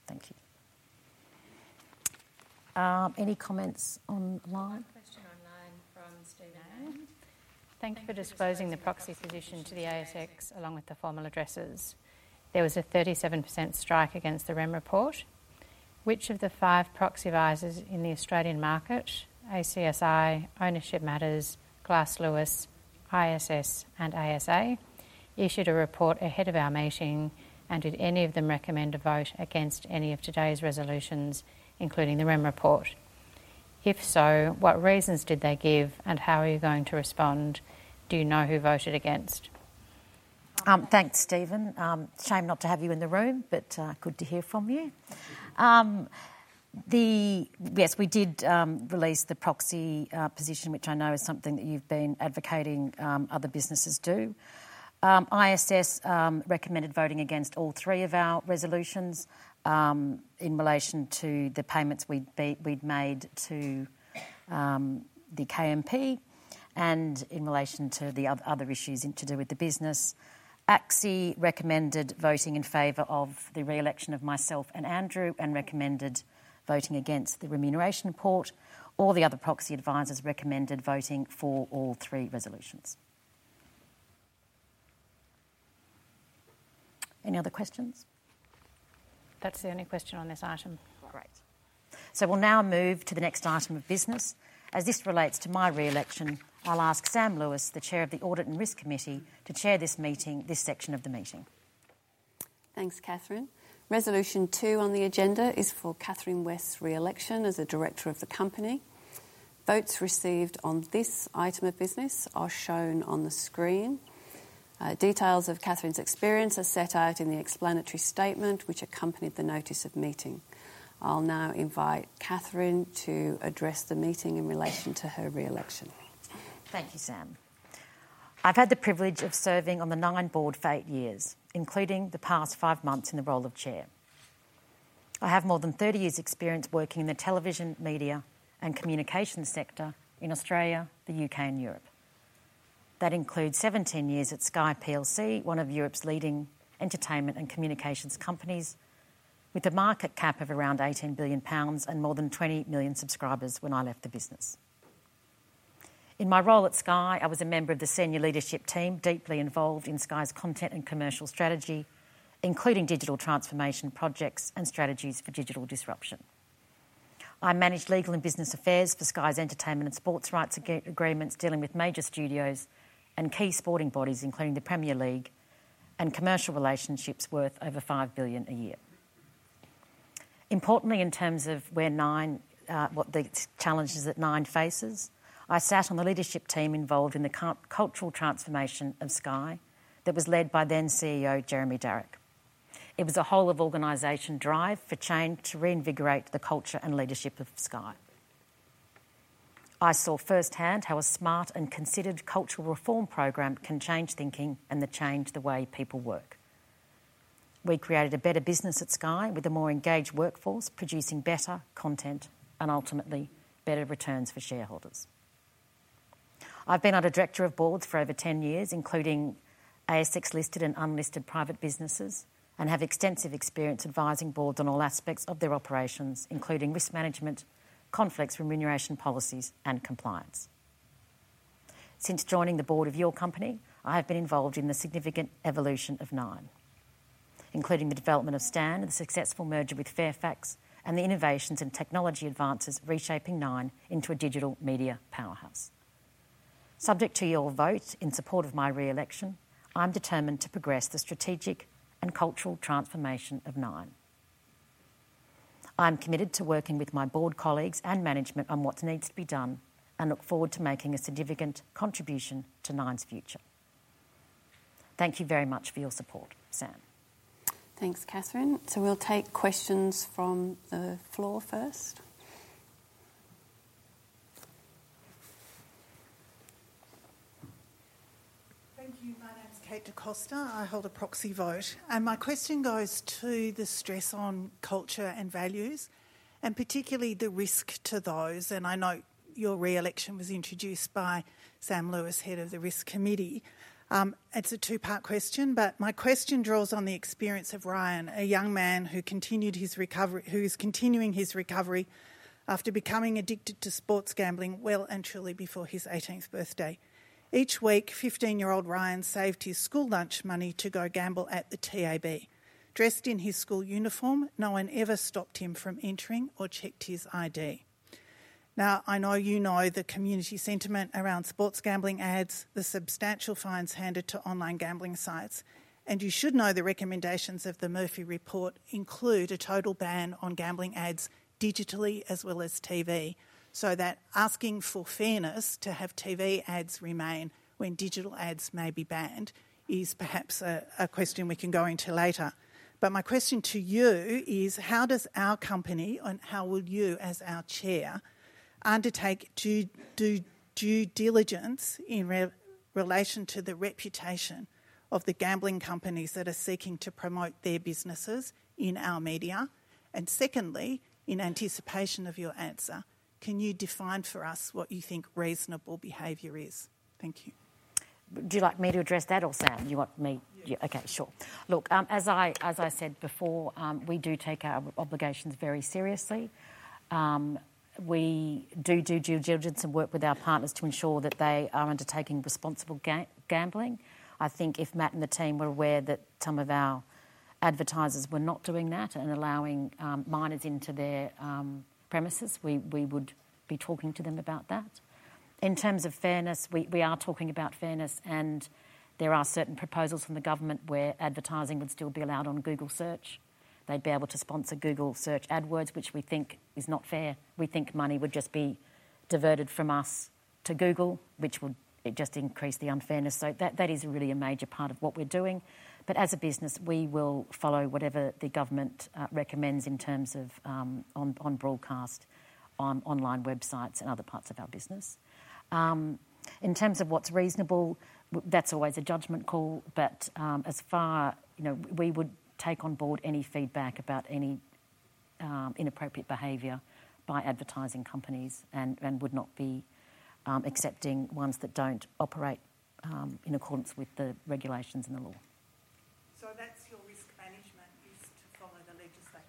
Thank you. Any comments online? Question online from Stephen Ng. Thank you for disclosing the proxy position to the ASX along with the formal addresses. There was a 37% strike against the remuneration report. Which of the five proxy advisors in the Australian market, ACSI, Ownership Matters, Glass Lewis, ISS, and ASA issued a report ahead of our meeting, and did any of them recommend a vote against any of today's resolutions, including the remuneration report? If so, what reasons did they give, and how are you going to respond? Do you know who voted against? Thanks, Stephen. Shame not to have you in the room, but good to hear from you. Yes, we did release the proxy position, which I know is something that you've been advocating other businesses do. ISS recommended voting against all three of our resolutions in relation to the payments we'd made to the KMP and in relation to the other issues to do with the business. ACSI recommended voting in favour of the re-election of myself and Andrew and recommended voting against the remuneration report. All the other proxy advisors recommended voting for all three resolutions. Any other questions? That's the only question on this item. Great. So we'll now move to the next item of business. As this relates to my re-election, I'll ask Sam Lewis, the chair of the Audit and Risk Committee, to chair this section of the meeting. Thanks, Catherine. Resolution two on the agenda is for Catherine West's re-election as a director of the company. Votes received on this item of business are shown on the screen. Details of Catherine's experience are set out in the explanatory statement which accompanied the notice of meeting. I'll now invite Catherine to address the meeting in relation to her re-election. Thank you, Sam. I've had the privilege of serving on the Nine board for eight years, including the past five months in the role of Chair. I have more than 30 years' experience working in the television, meeting, and communications sector in Australia, the U.K., and Europe. That includes 17 years at Sky PLC, one of Europe's leading entertainment and communications companies, with a market cap of around 18 billion pounds and more than 20 million subscribers when I left the business. In my role at Sky, I was a member of the senior leadership team deeply involved in Sky's content and commercial strategy, including digital transformation projects and strategies for digital disruption. I managed legal and business affairs for Sky's entertainment and sports rights agreements, dealing with major studios and key sporting bodies, including the Premier League, and commercial relationships worth over 5 billion a year. Importantly, in terms of the challenges that Nine faces, I sat on the leadership team involved in the cultural transformation of Sky that was led by then-CEO Jeremy Darroch. It was a whole-of-organization drive for change to reinvigorate the culture and leadership of Sky. I saw firsthand how a smart and considered cultural reform program can change thinking and change the way people work. We created a better business at Sky with a more engaged workforce, producing better content and ultimately better returns for shareholders. I've been a director on boards for over 10 years, including ASX-listed and unlisted private businesses, and have extensive experience advising boards on all aspects of their operations, including risk management, conflicts, remuneration policies, and compliance. Since joining the board of your company, I have been involved in the significant evolution of Nine, including the development of Stan, the successful merger with Fairfax, and the innovations and technology advances reshaping Nine into a digital media powerhouse. Subject to your vote in support of my re-election, I'm determined to progress the strategic and cultural transformation of Nine. I'm committed to working with my board colleagues and management on what needs to be done and look forward to making a significant contribution to Nine's future. Thank you very much for your support, Sam. Thanks, Catherine. So we'll take questions from the floor first. Thank you. My name is Kate Da Costa. I hold a proxy vote. And my question goes to the stress on culture and values, and particularly the risk to those. And I know your re-election was introduced by Sam Lewis, head of the Risk Committee. It's a two-part question, but my question draws on the experience of Ryan, a young man who is continuing his recovery after becoming addicted to sports gambling well and truly before his 18th birthday. Each week, 15-year-old Ryan saved his school lunch money to go gamble at the TAB. Dressed in his school uniform, no one ever stopped him from entering or checked his ID. Now, I know you know the community sentiment around sports gambling ads, the substantial fines handed to online gambling sites. And you should know the recommendations of the Murphy Report include a total ban on gambling ads digitally as well as TV, so that asking for fairness to have TV ads remain when digital ads may be banned is perhaps a question we can go into later. But my question to you is, how does our company and how will you, as our Chair, undertake due diligence in relation to the reputation of the gambling companies that are seeking to promote their businesses in our meeting? And secondly, in anticipation of your answer, can you define for us what you think reasonable behavior is? Thank you. Do you want me to address that or Sam? You want me? Okay, sure. Look, as I said before, we do take our obligations very seriously. We do due diligence and work with our partners to ensure that they are undertaking responsible gambling. I think if Matt and the team were aware that some of our advertisers were not doing that and allowing minors into their premises, we would be talking to them about that. In terms of fairness, we are talking about fairness, and there are certain proposals from the government where advertising would still be allowed on Google Search. They'd be able to sponsor Google Search AdWords, which we think is not fair. We think money would just be diverted from us to Google, which would just increase the unfairness. So that is really a major part of what we're doing. But as a business, we will follow whatever the government recommends in terms of on broadcast, online websites, and other parts of our business. In terms of what's reasonable, that's always a judgment call. But as far, we would take on board any feedback about any inappropriate behavior by advertising companies and would not be accepting ones that don't operate in accordance with the regulations and the law. So that's your risk management, is to follow the legislation?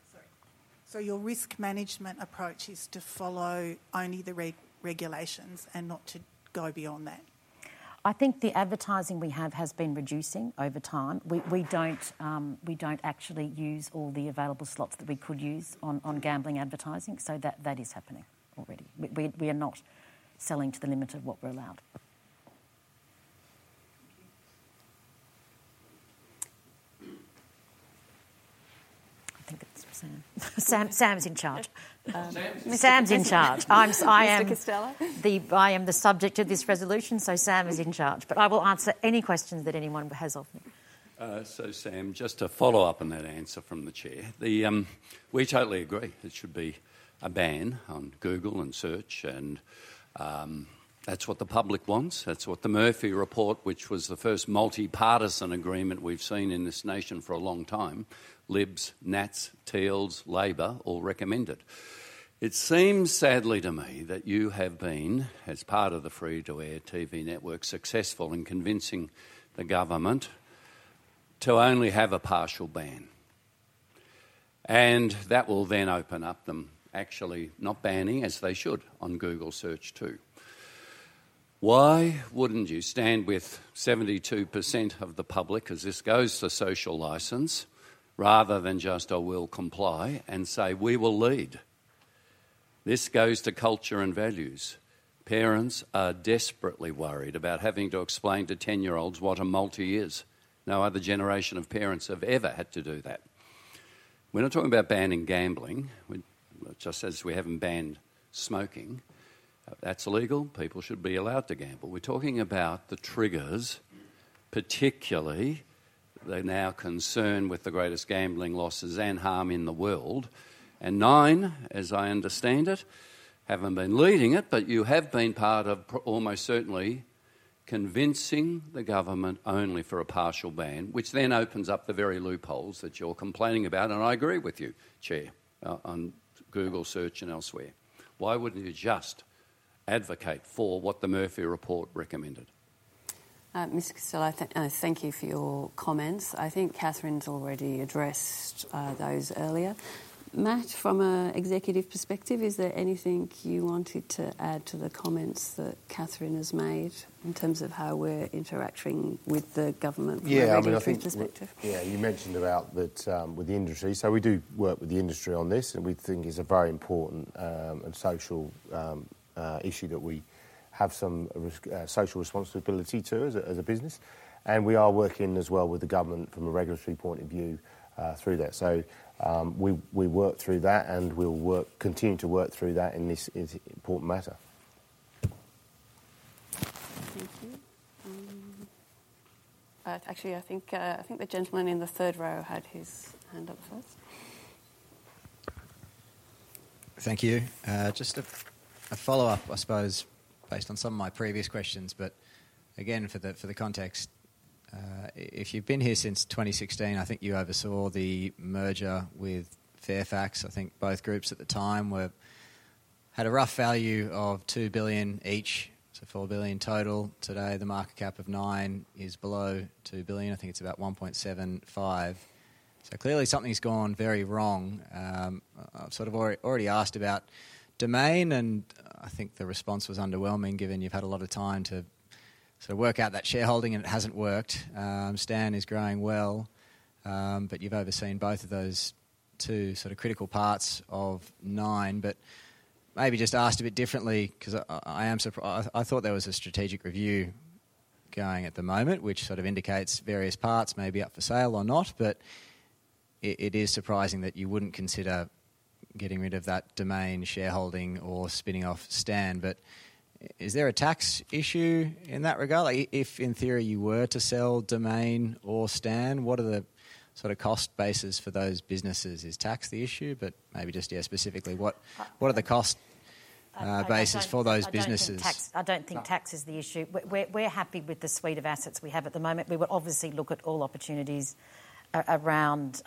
So your risk management approach is to follow only the regulations and not to go beyond that? I think the advertising we have has been reducing over time. We don't actually use all the available slots that we could use on gambling advertising, so that is happening already. We are not selling to the limit of what we're allowed. I think that's Sam. Sam's in charge. Sam's in charge. Sam's in charge. I am the subject of this resolution, so Sam is in charge. But I will answer any questions that anyone has of me. So Sam, just to follow up on that answer from the chair, we totally agree it should be a ban on Google and search, and that's what the public wants. That's what the Murphy Report, which was the first multi-partisan agreement we've seen in this nation for a long time, Libs, Nats, Teals, Labor, all recommended. It seems sadly to me that you have been, as part of the free-to-air TV network, successful in convincing the government to only have a partial ban. And that will then open up them actually not banning, as they should, on Google Search too. Why wouldn't you stand with 72% of the public as this goes to social license rather than just, "I will comply," and say, "We will lead"? This goes to culture and values. Parents are desperately worried about having to explain to 10-year-olds what a multi is. No other generation of parents have ever had to do that. We're not talking about banning gambling, just as we haven't banned smoking. That's illegal. People should be allowed to gamble. We're talking about the triggers, particularly the number one concern with the greatest gambling losses and harm in the world, and Nine, as I understand it, haven't been leading it, but you have been part of almost certainly convincing the government only for a partial ban, which then opens up the very loopholes that you're complaining about, and I agree with you, Chair, on Google Search and elsewhere. Why wouldn't you just advocate for what the Murphy Report recommended? Ms. Da Costa, thank you for your comments. I think Catherine's already addressed those earlier. Matt, from an executive perspective, is there anything you wanted to add to the comments that Catherine has made in terms of how we're interacting with the government from an executive perspective? Yeah, I mean, I think you mentioned about that with the industry. So we do work with the industry on this, and we think it's a very important and social issue that we have some social responsibility to as a business. And we are working as well with the government from a regulatory point of view through that. So we work through that, and we'll continue to work through that in this important matter. Thank you. Actually, I think the gentleman in the third row had his hand up first. Thank you. Just a follow-up, I suppose, based on some of my previous questions. But again, for the context, if you've been here since 2016, I think you oversaw the merger with Fairfax. I think both groups at the time had a rough value of 2 billion each, so 4 billion total. Today, the market cap of Nine is below 2 billion. I think it's about 1.75 billion. So clearly, something's gone very wrong. I've sort of already asked about Domain, and I think the response was underwhelming given you've had a lot of time to sort of work out that shareholding, and it hasn't worked. Stan is growing well, but you've overseen both of those two sort of critical parts of Nine. But maybe just asked a bit differently because I thought there was a strategic review going at the moment, which sort of indicates various parts may be up for sale or not. But it is surprising that you wouldn't consider getting rid of that Domain shareholding, or spinning off Stan. But is there a tax issue in that regard? If in theory you were to sell Domain or Stan, what are the sort of cost bases for those businesses? Is tax the issue? But maybe just, yeah, specifically, what are the cost bases for those businesses? I don't think tax is the issue. We're happy with the suite of assets we have at the moment. We will obviously look at all opportunities around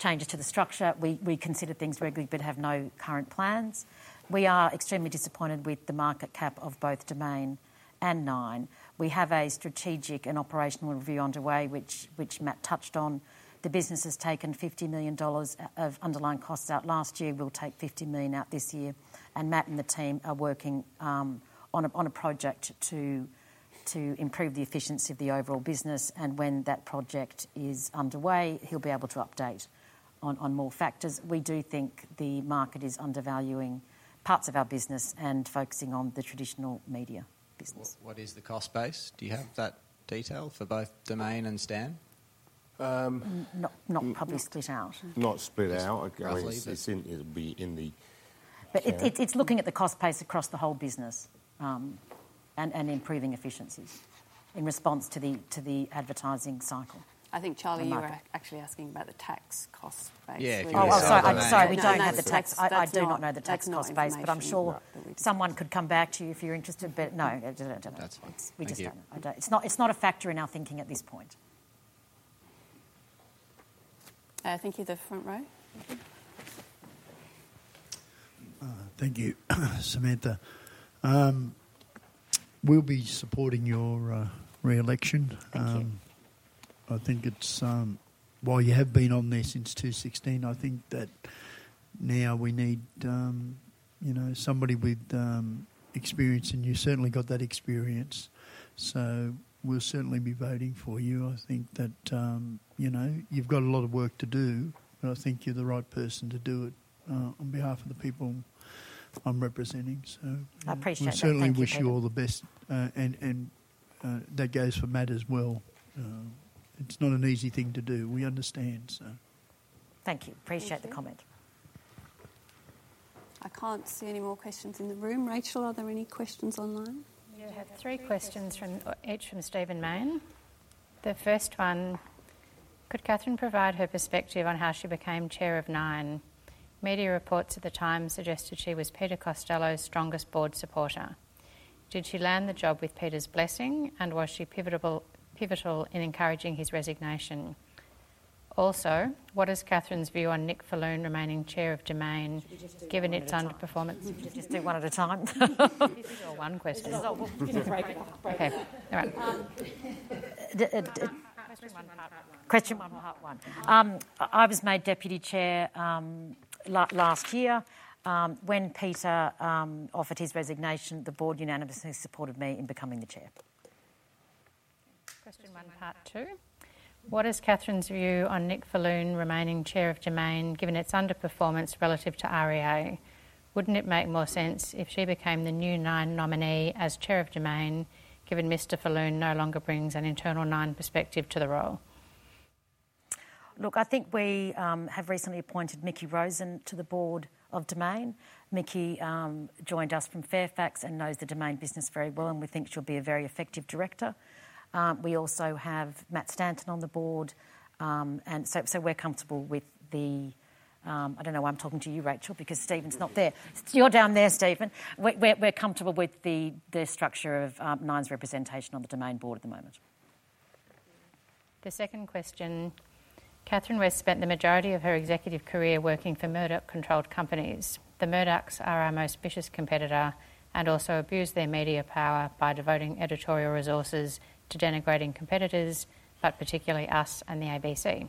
changes to the structure. We consider things regularly but have no current plans. We are extremely disappointed with the market cap of both Domain and Nine. We have a strategic and operational review underway, which Matt touched on. The business has taken $50 million of underlying costs out last year. We'll take $50 million out this year. And Matt and the team are working on a project to improve the efficiency of the overall business. And when that project is underway, he'll be able to update on more factors. We do think the market is undervaluing parts of our business and focusing on the traditional media business. What is the cost base? Do you have that detail for both Domain and Stan? Not probably split out. Not split out. I guess it'll be in the. But it's looking at the cost base across the whole business and improving efficiencies in response to the advertising cycle. I think Charlie, you were actually asking about the tax cost base. Oh, sorry. Sorry. We don't have the tax base. I do not know the tax cost base, but I'm sure someone could come back to you if you're interested. But no, we just don't. It's not a factor in our thinking at this point. Thank you. The front row. Thank you, Samantha. We'll be supporting your re-election. I think it's while you have been on there since 2016. I think that now we need somebody with experience, and you certainly got that experience. So we'll certainly be voting for you. I think that you've got a lot of work to do, but I think you're the right person to do it on behalf of the people I'm representing. I appreciate that. We certainly wish you all the best, and that goes for Matt as well. It's not an easy thing to do. We understand. Thank you. Appreciate the comment. I can't see any more questions in the room. Rachel, are there any questions online? We have three questions, each from Stephen Mayne. The first one, could Catherine provide her perspective on how she became Chair of Nine? Media reports at the time suggested she was Peter Costello's strongest board supporter. Did she land the job with Peter's blessing, and was she pivotal in encouraging his resignation? Also, what is Catherine's view on Nick Falloon remaining Chair of Domain, given its underperformance? Just do one at a time. This is your one question. Okay. All right. Question one part one. I was made deputy chair last year when Peter offered his resignation. The board unanimously supported me in becoming the chair. Question one part two. What is Catherine's view on Nick Falloon remaining chair of Domain, given its underperformance relative to REA? Wouldn't it make more sense if she became the new Nine nominee as chair of Domain, given Mr. Falloon no longer brings an internal Nine perspective to the role? Look, I think we have recently appointed Mickie Rosen to the board of Domain. Mickie joined us from Fairfax and knows the Domain business very well, and we think she'll be a very effective director. We also have Matt Stanton on the board. And so we're comfortable with the, I don't know why I'm talking to you, Rachel, because Stephen's not there. You're down there, Stephen. We're comfortable with the structure of Nine's representation on the Domain board at the moment. The second question: Catherine West spent the majority of her executive career working for Murdoch-controlled companies. The Murdochs are our most vicious competitor and also abuse their media power by devoting editorial resources to denigrating competitors, but particularly us and the ABC.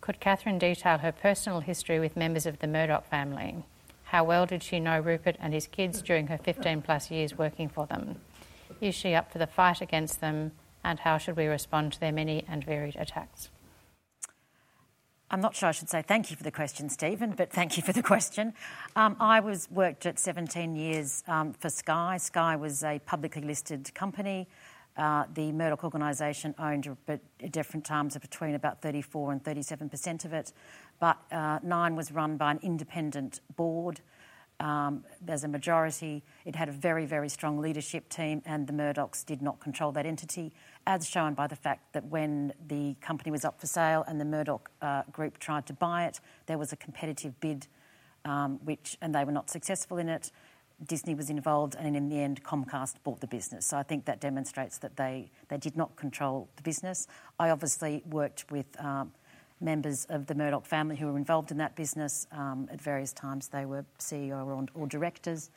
Could Catherine detail her personal history with members of the Murdoch family? How well did she know Rupert and his kids during her 15-plus years working for them? Is she up for the fight against them, and how should we respond to their many and varied attacks? I'm not sure I should say thank you for the question, Stephen, but thank you for the question. I worked 17 years for Sky. Sky was a publicly listed company. The Murdoch organisation owned, at different times, between about 34% and 37% of it. But Nine was run by an independent board. There's a majority. It had a very, very strong leadership team, and the Murdochs did not control that entity, as shown by the fact that when the company was up for sale and the Murdoch group tried to buy it, there was a competitive bid, and they were not successful in it. Disney was involved, and in the end, Comcast bought the business. So I think that demonstrates that they did not control the business. I obviously worked with members of the Murdoch family who were involved in that business at various times. They were CEO or directors.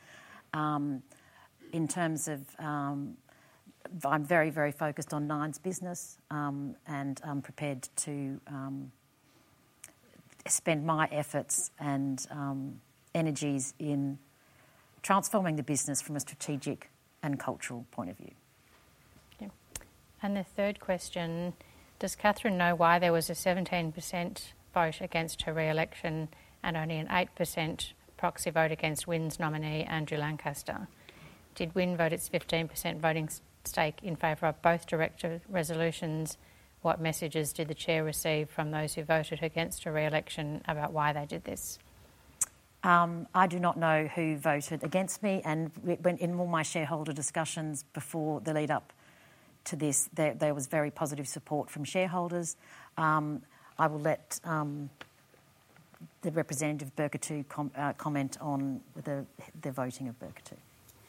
In terms of, I'm very, very focused on Nine's business, and I'm prepared to spend my efforts and energies in transforming the business from a strategic and cultural point of view. Thank you. And the third question, does Catherine know why there was a 17% vote against her re-election and only an 8% proxy vote against WIN's nominee, Andrew Lancaster? Did WIN vote its 15% voting stake in favour of both director resolutions? What messages did the Chair receive from those who voted against her re-election about why they did this? I do not know who voted against me, and in all my shareholder discussions before the lead-up to this, there was very positive support from shareholders. I will let the representative of Birketu comment on the voting of Birketu.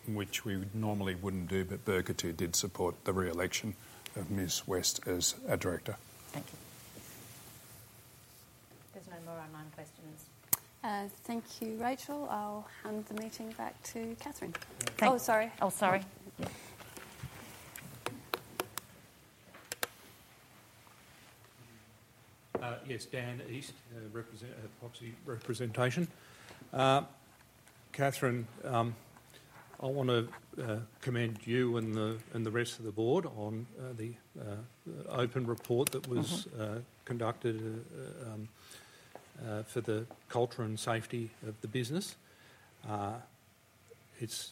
Which we normally wouldn't do, but Birketu did support the re-election of Ms. West as a director. Thank you. There's no more online questions. Thank you, Rachel. I'll hand the meeting back to Catherine. Oh, sorry. Oh, sorry. Yes, Dan East, proxy representation. Catherine, I want to commend you and the rest of the board on the open report that was conducted for the culture and safety of the business. It's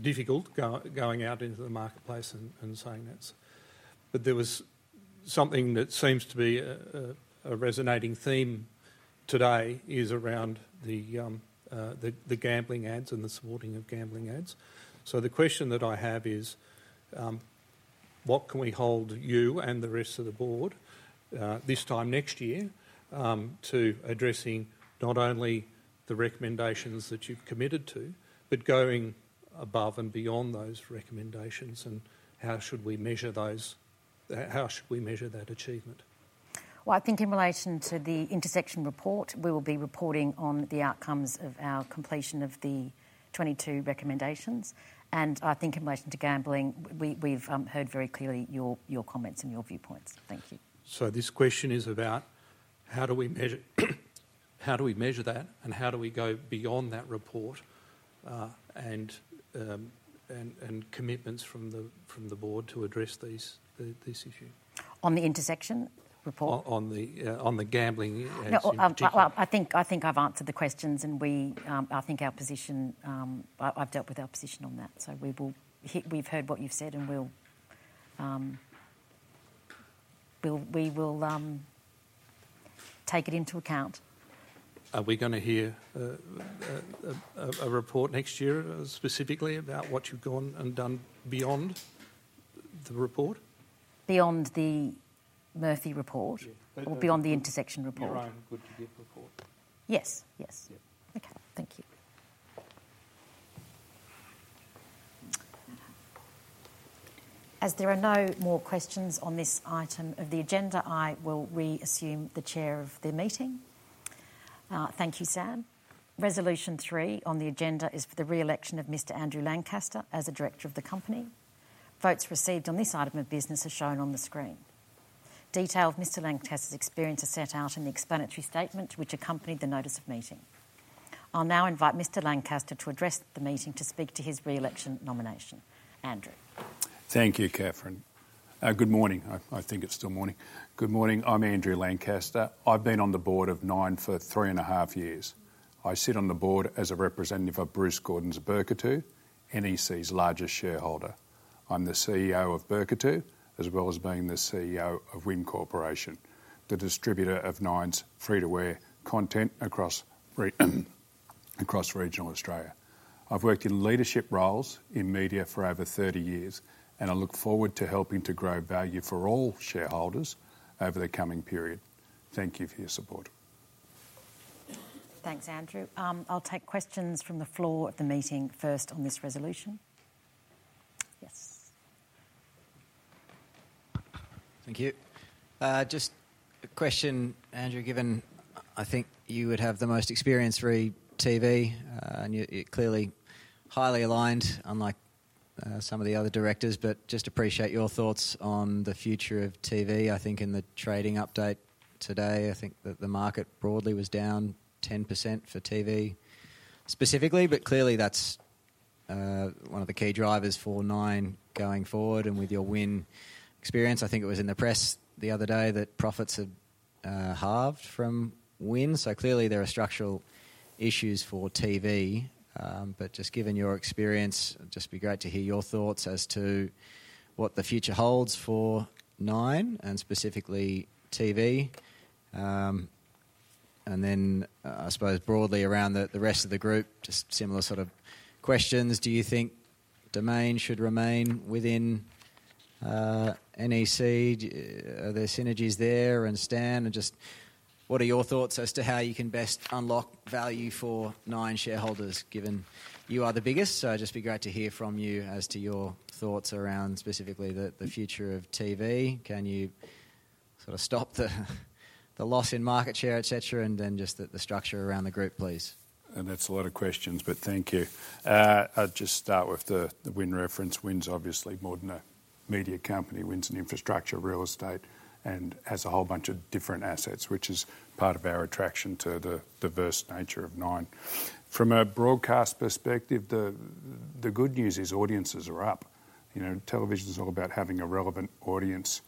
difficult going out into the marketplace and saying that's. But there was something that seems to be a resonating theme today is around the gambling ads and the supporting of gambling ads. So the question that I have is, what can we hold you and the rest of the board this time next year to addressing not only the recommendations that you've committed to, but going above and beyond those recommendations? And how should we measure those? How should we measure that achievement? I think in relation to the Intersection report, we will be reporting on the outcomes of our completion of the 22 recommendations. I think in relation to gambling, we've heard very clearly your comments and your viewpoints. Thank you. This question is about how do we measure that, and how do we go beyond that report and commitments from the board to address this issue? On the Intersection report? On the gambling ads. I think I've answered the questions, and I think our position. I've dealt with our position on that. So we've heard what you've said, and we will take it into account. Are we going to hear a report next year specifically about what you've gone and done beyond the report? Beyond the uncertain or beyond the Intersection report? Your own uncertain Yes. Yes. Okay. Thank you. As there are no more questions on this item of the agenda, I will reassume the chair of the meeting. Thank you, Sam. Resolution three on the agenda is for the re-election of Mr. Andrew Lancaster as a director of the company. Votes received on this item of business are shown on the screen. Detail of Mr. Lancaster's experience are set out in the explanatory statement which accompanied the notice of meeting. I'll now invite Mr. Lancaster to address the meeting to speak to his re-election nomination. Andrew. Thank you, Catherine. Good morning. I think it's still morning. Good morning. I'm Andrew Lancaster. I've been on the board of Nine for three and a half years. I sit on the board as a representative of Bruce Gordon's Birketu, NEC's largest shareholder. I'm the CEO of Birketu, as well as being the CEO of WIN Corporation, the distributor of Nine's free-to-air content across regional Australia. I've worked in leadership roles in media for over 30 years, and I look forward to helping to grow value for all shareholders over the coming period. Thank you for your support. Thanks, Andrew. I'll take questions from the floor of the meeting first on this resolution. Yes. Thank you. Just a question, Andrew, given I think you would have the most experience through TV, and you're clearly highly aligned, unlike some of the other directors, but just appreciate your thoughts on the future of TV. I think in the trading update today, I think that the market broadly was down 10% for TV specifically, but clearly that's one of the key drivers for Nine going forward. And with your WIN experience, I think it was in the press the other day that profits had halved from WIN. So clearly there are structural issues for TV. But just given your experience, it'd just be great to hear your thoughts as to what the future holds for Nine and specifically TV. And then I suppose broadly around the rest of the group, just similar sort of questions. Do you think Domain should remain within NEC? Are there synergies there and Stan? And just what are your thoughts as to how you can best unlock value for Nine shareholders, given you are the biggest? So it'd just be great to hear from you as to your thoughts around specifically the future of TV. Can you sort of stop the loss in market share, et cetera, and then just the structure around the group, please? And that's a lot of questions, but thank you. I'll just start with the WIN reference. WIN's obviously more than a media company. WIN's an infrastructure, real estate, and has a whole bunch of different assets, which is part of our attraction to the diverse nature of Nine. From a broadcast perspective, the good news is audiences are up. Television's all about having a relevant audience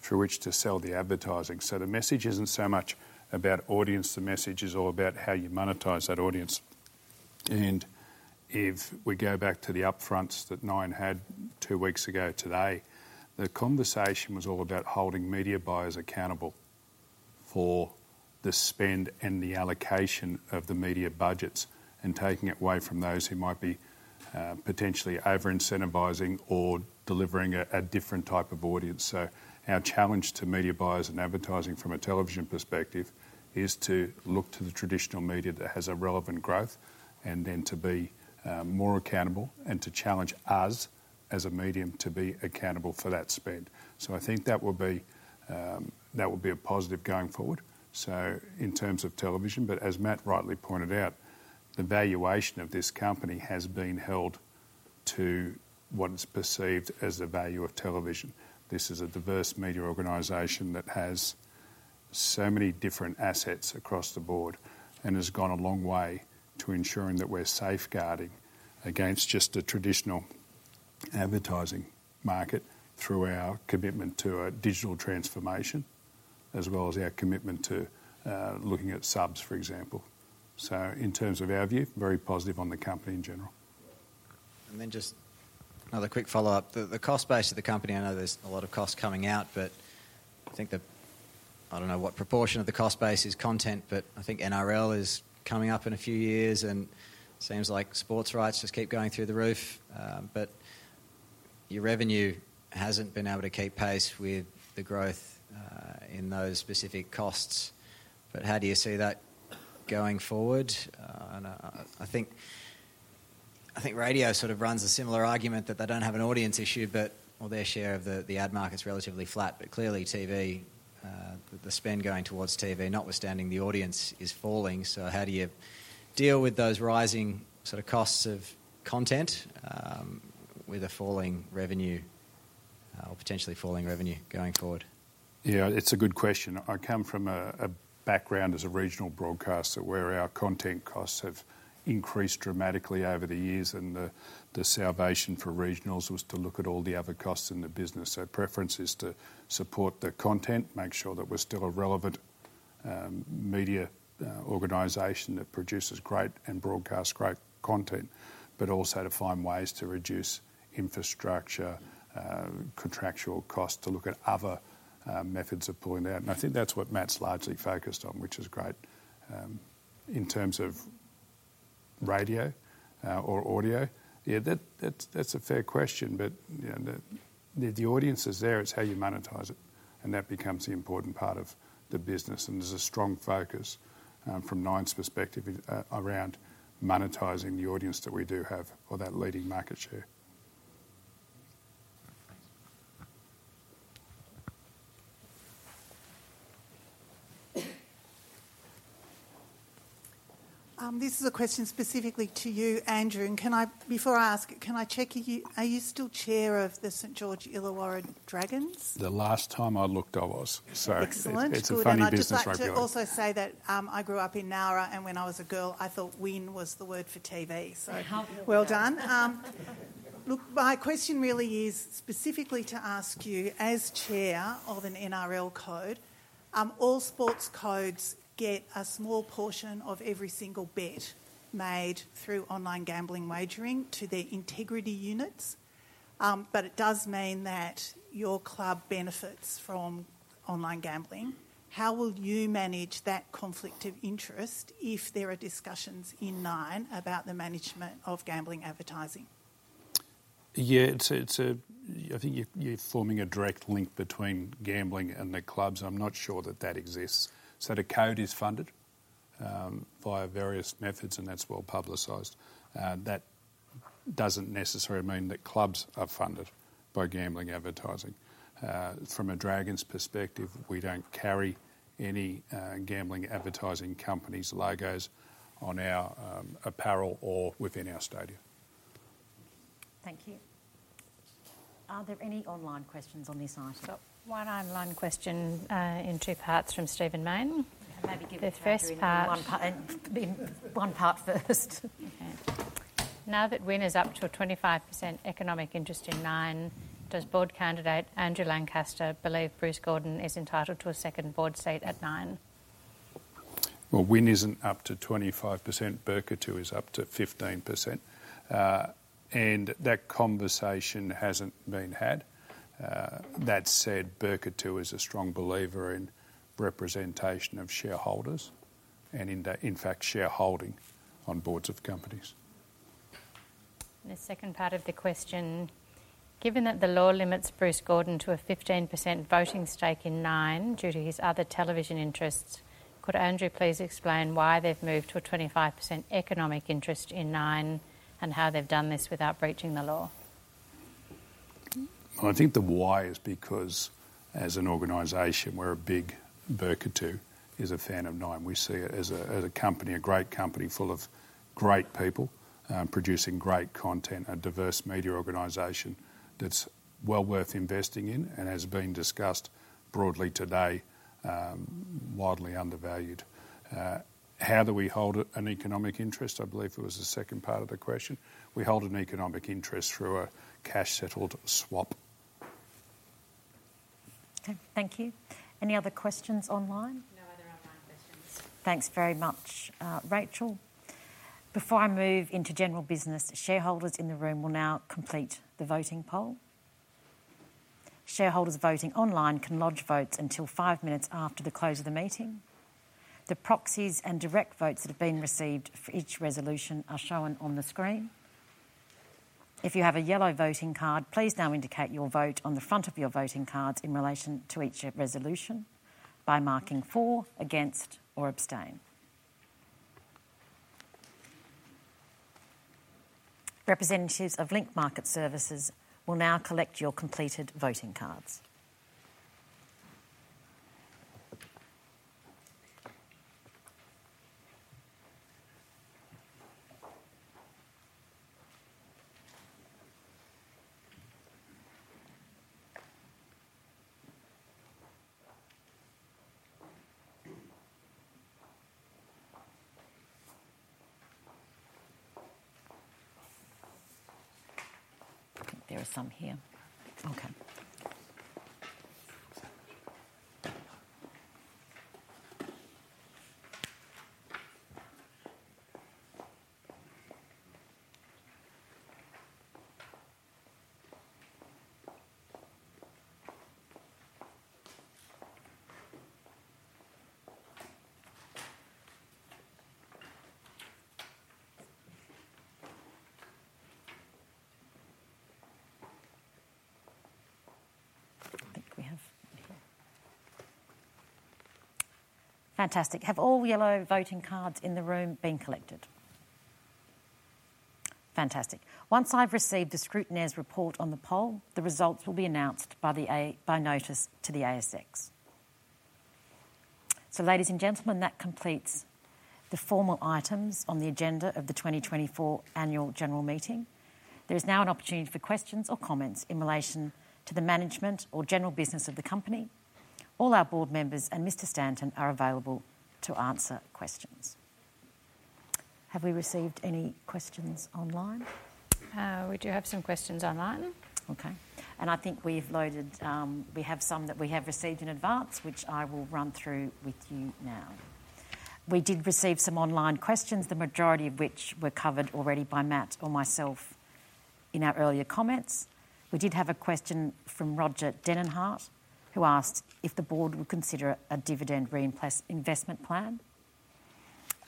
through which to sell the advertising. So the message isn't so much about audience. The message is all about how you monetize that audience. And if we go back to the upfronts that Nine had two weeks ago today, the conversation was all about holding media buyers accountable for the spend and the allocation of the media budgets and taking it away from those who might be potentially over-incentivising or delivering a different type of audience. So our challenge to media buyers and advertising from a television perspective is to look to the traditional media that has a relevant growth and then to be more accountable and to challenge us as a medium to be accountable for that spend. So I think that will be a positive going forward, so in terms of television. But as Matt rightly pointed out, the valuation of this company has been held to what is perceived as the value of television. This is a diverse media organization that has so many different assets across the board and has gone a long way to ensuring that we're safeguarding against just the traditional advertising market through our commitment to a digital transformation, as well as our commitment to looking at subs, for example. So in terms of our view, very positive on the company in general. And then just another quick follow-up. The cost base of the company, I know there's a lot of costs coming out, but I think I don't know what proportion of the cost base is content, but I think NRL is coming up in a few years, and it seems like sports rights just keep going through the roof. But your revenue hasn't been able to keep pace with the growth in those specific costs. But how do you see that going forward? I think radio sort of runs a similar argument that they don't have an audience issue, but their share of the ad market's relatively flat. But clearly, TV, the spend going towards TV, notwithstanding the audience is falling. So how do you deal with those rising sort of costs of content with a falling revenue or potentially falling revenue going forward? Yeah, it's a good question. I come from a background as a regional broadcaster where our content costs have increased dramatically over the years, and the salvation for regionals was to look at all the other costs in the business. So preference is to support the content, make sure that we're still a relevant media organization that produces great and broadcasts great content, but also to find ways to reduce infrastructure, contractual costs, to look at other methods of pulling that. And I think that's what Matt's largely focused on, which is great. In terms of radio or audio, yeah, that's a fair question, but the audience is there. It's how you monetize it, and that becomes the important part of the business. And there's a strong focus from Nine's perspective around monetizing the audience that we do have or that leading market share. This is a question specifically to you, Andrew, and before I ask, can I check, are you still chair of the St. George Illawarra Dragons? The last time I looked, I was. Excellent. It's a funny business right now. I just want to also say that I grew up in Nowra, and when I was a girl, I thought WIN was the word for TV. So well done. Look, my question really is specifically to ask you, as chair of an NRL code, all sports codes get a small portion of every single bet made through online gambling wagering to their integrity units. But it does mean that your club benefits from online gambling. How will you manage that conflict of interest if there are discussions in Nine about the management of gambling advertising? Yeah, I think you're forming a direct link between gambling and the clubs. I'm not sure that that exists. So the code is funded via various methods, and that's well publicized. That doesn't necessarily mean that clubs are funded by gambling advertising. From a Dragons perspective, we don't carry any gambling advertising companies' logos on our apparel or within our stadium. Thank you. Are there any online questions on this item? Got one online question in two parts from Stephen Mayne. Maybe give it the first part. One part first. Now that WIN is up to a 25% economic interest in Nine, does board candidate Andrew Lancaster believe Bruce Gordon is entitled to a second board seat at Nine? WIN isn't up to 25%. Birketu is up to 15%. And that conversation hasn't been had. That said, Birketu is a strong believer in representation of shareholders and in fact shareholding on boards of companies. The second part of the question, given that the law limits Bruce Gordon to a 15% voting stake in Nine due to his other television interests, could Andrew please explain why they've moved to a 25% economic interest in Nine and how they've done this without breaching the law? I think the why is because as an organization, we're a uncertain of Nine. We see it as a company, a great company full of great people producing great content, a diverse media organization that's well worth investing in and has been discussed broadly today, widely undervalued. How do we hold an economic interest? I believe it was the second part of the question. We hold an economic interest through a cash-settled swap. Thank you. Any other questions online? No other online questions. Thanks very much. Rachel, before I move into general business, shareholders in the room will now complete the voting poll. Shareholders voting online can lodge votes until five minutes after the close of the meeting. The proxies and direct votes that have been received for each resolution are shown on the screen. If you have a yellow voting card, please now indicate your vote on the front of your voting cards in relation to each resolution by marking for, against, or abstain. Representatives of Link Market Services will now collect your completed voting cards. Fantastic. Have all yellow voting cards in the room been collected? Fantastic. Once I've received the scrutineer's report on the poll, the results will be announced by notice to the ASX. So ladies and gentlemen, that completes the formal items on the agenda of the 2024 Annual General Meeting. There is now an opportunity for questions or comments in relation to the management or general business of the company. All our board members and Mr. Stanton are available to answer questions. Have we received any questions online? We do have some questions online. Okay. And I think we've loaded—we have some that we have received in advance, which I will run through with you now. We did receive some online questions, the majority of which were covered already by Matt or myself in our earlier comments. We did have a question from Roger Degenhardt, who asked if the board would consider a dividend reinvestment plan.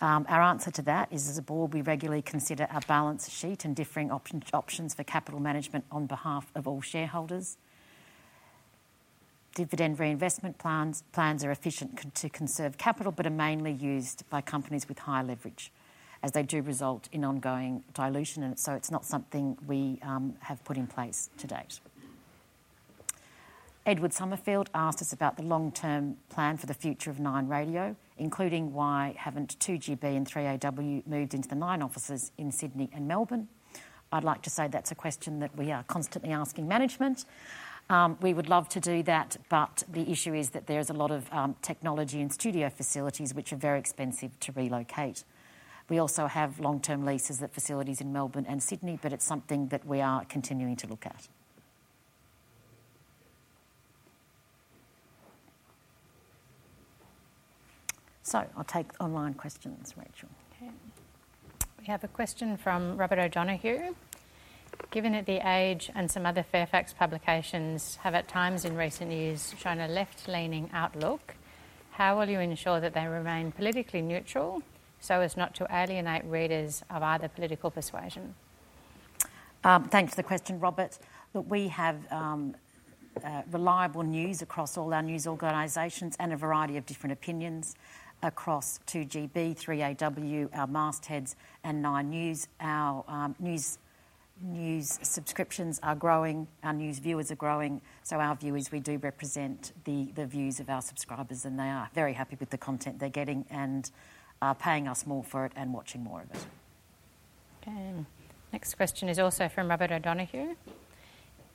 Our answer to that is, as a board, we regularly consider our balance sheet and differing options for capital management on behalf of all shareholders. Dividend reinvestment plans are efficient to conserve capital but are mainly used by companies with high leverage, as they do result in ongoing dilution, and so it's not something we have put in place to date. Edward Sommerfield asked us about the long-term plan for the future of Nine Radio, including why haven't 2GB and 3AW moved into the Nine offices in Sydney and Melbourne. I'd like to say that's a question that we are constantly asking management. We would love to do that, but the issue is that there is a lot of technology and studio facilities which are very expensive to relocate. We also have long-term leases at facilities in Melbourne and Sydney, but it's something that we are continuing to look at. So I'll take online questions, Rachel. Okay. We have a question from Robert O'Donohue. Given that The Age and some other Fairfax publications have at times in recent years shown a left-leaning outlook, how will you ensure that they remain politically neutral so as not to alienate readers of either political persuasion? Thanks for the question, Robert. Look, we have reliable news across all our news organizations and a variety of different opinions across 2GB, 3AW, our mastheads, and Nine News. Our news subscriptions are growing. Our news viewers are growing. So our viewers, we do represent the views of our subscribers, and they are very happy with the content they're getting and are paying us more for it and watching more of it. Okay. Next question is also from Robert O'Donohue.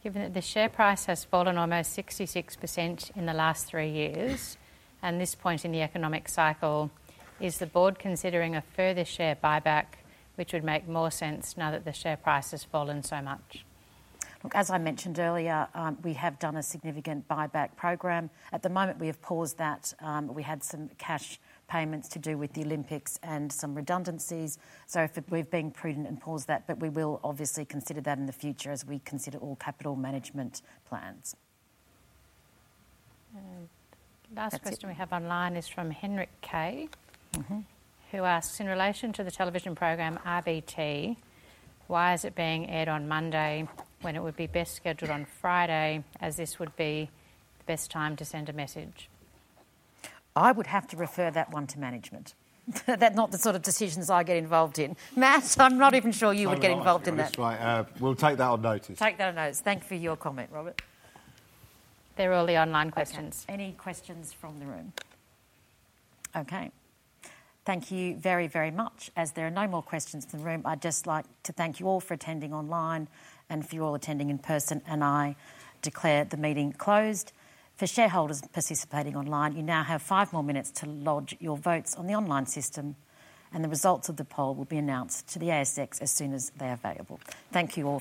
Given that the share price has fallen almost 66% in the last three years, and this point in the economic cycle, is the board considering a further share buyback, which would make more sense now that the share price has fallen so much? Look, as I mentioned earlier, we have done a significant buyback program. At the moment, we have paused that. We had some cash payments to do with the Olympics and some redundancies. So we've been prudent and paused that, but we will obviously consider that in the future as we consider all capital management plans. Last question we have online is from Henrik Kay, who asks, in relation to the television program RBT, why is it being aired on Monday when it would be best scheduled on Friday, as this would be the best time to send a message? I would have to refer that one to management. That's not the sort of decisions I get involved in. Matt, I'm not even sure you would get involved in that. That's right. We'll take that on notice. Take that on notice. Thank you for your comment, Robert. There are all the online questions. Any questions from the room? Okay. Thank you very, very much. As there are no more questions in the room, I'd just like to thank you all for attending online and for you all attending in person, and I declare the meeting closed. For shareholders participating online, you now have five more minutes to lodge your votes on the online system, and the results of the poll will be announced to the ASX as soon as they are available. Thank you all.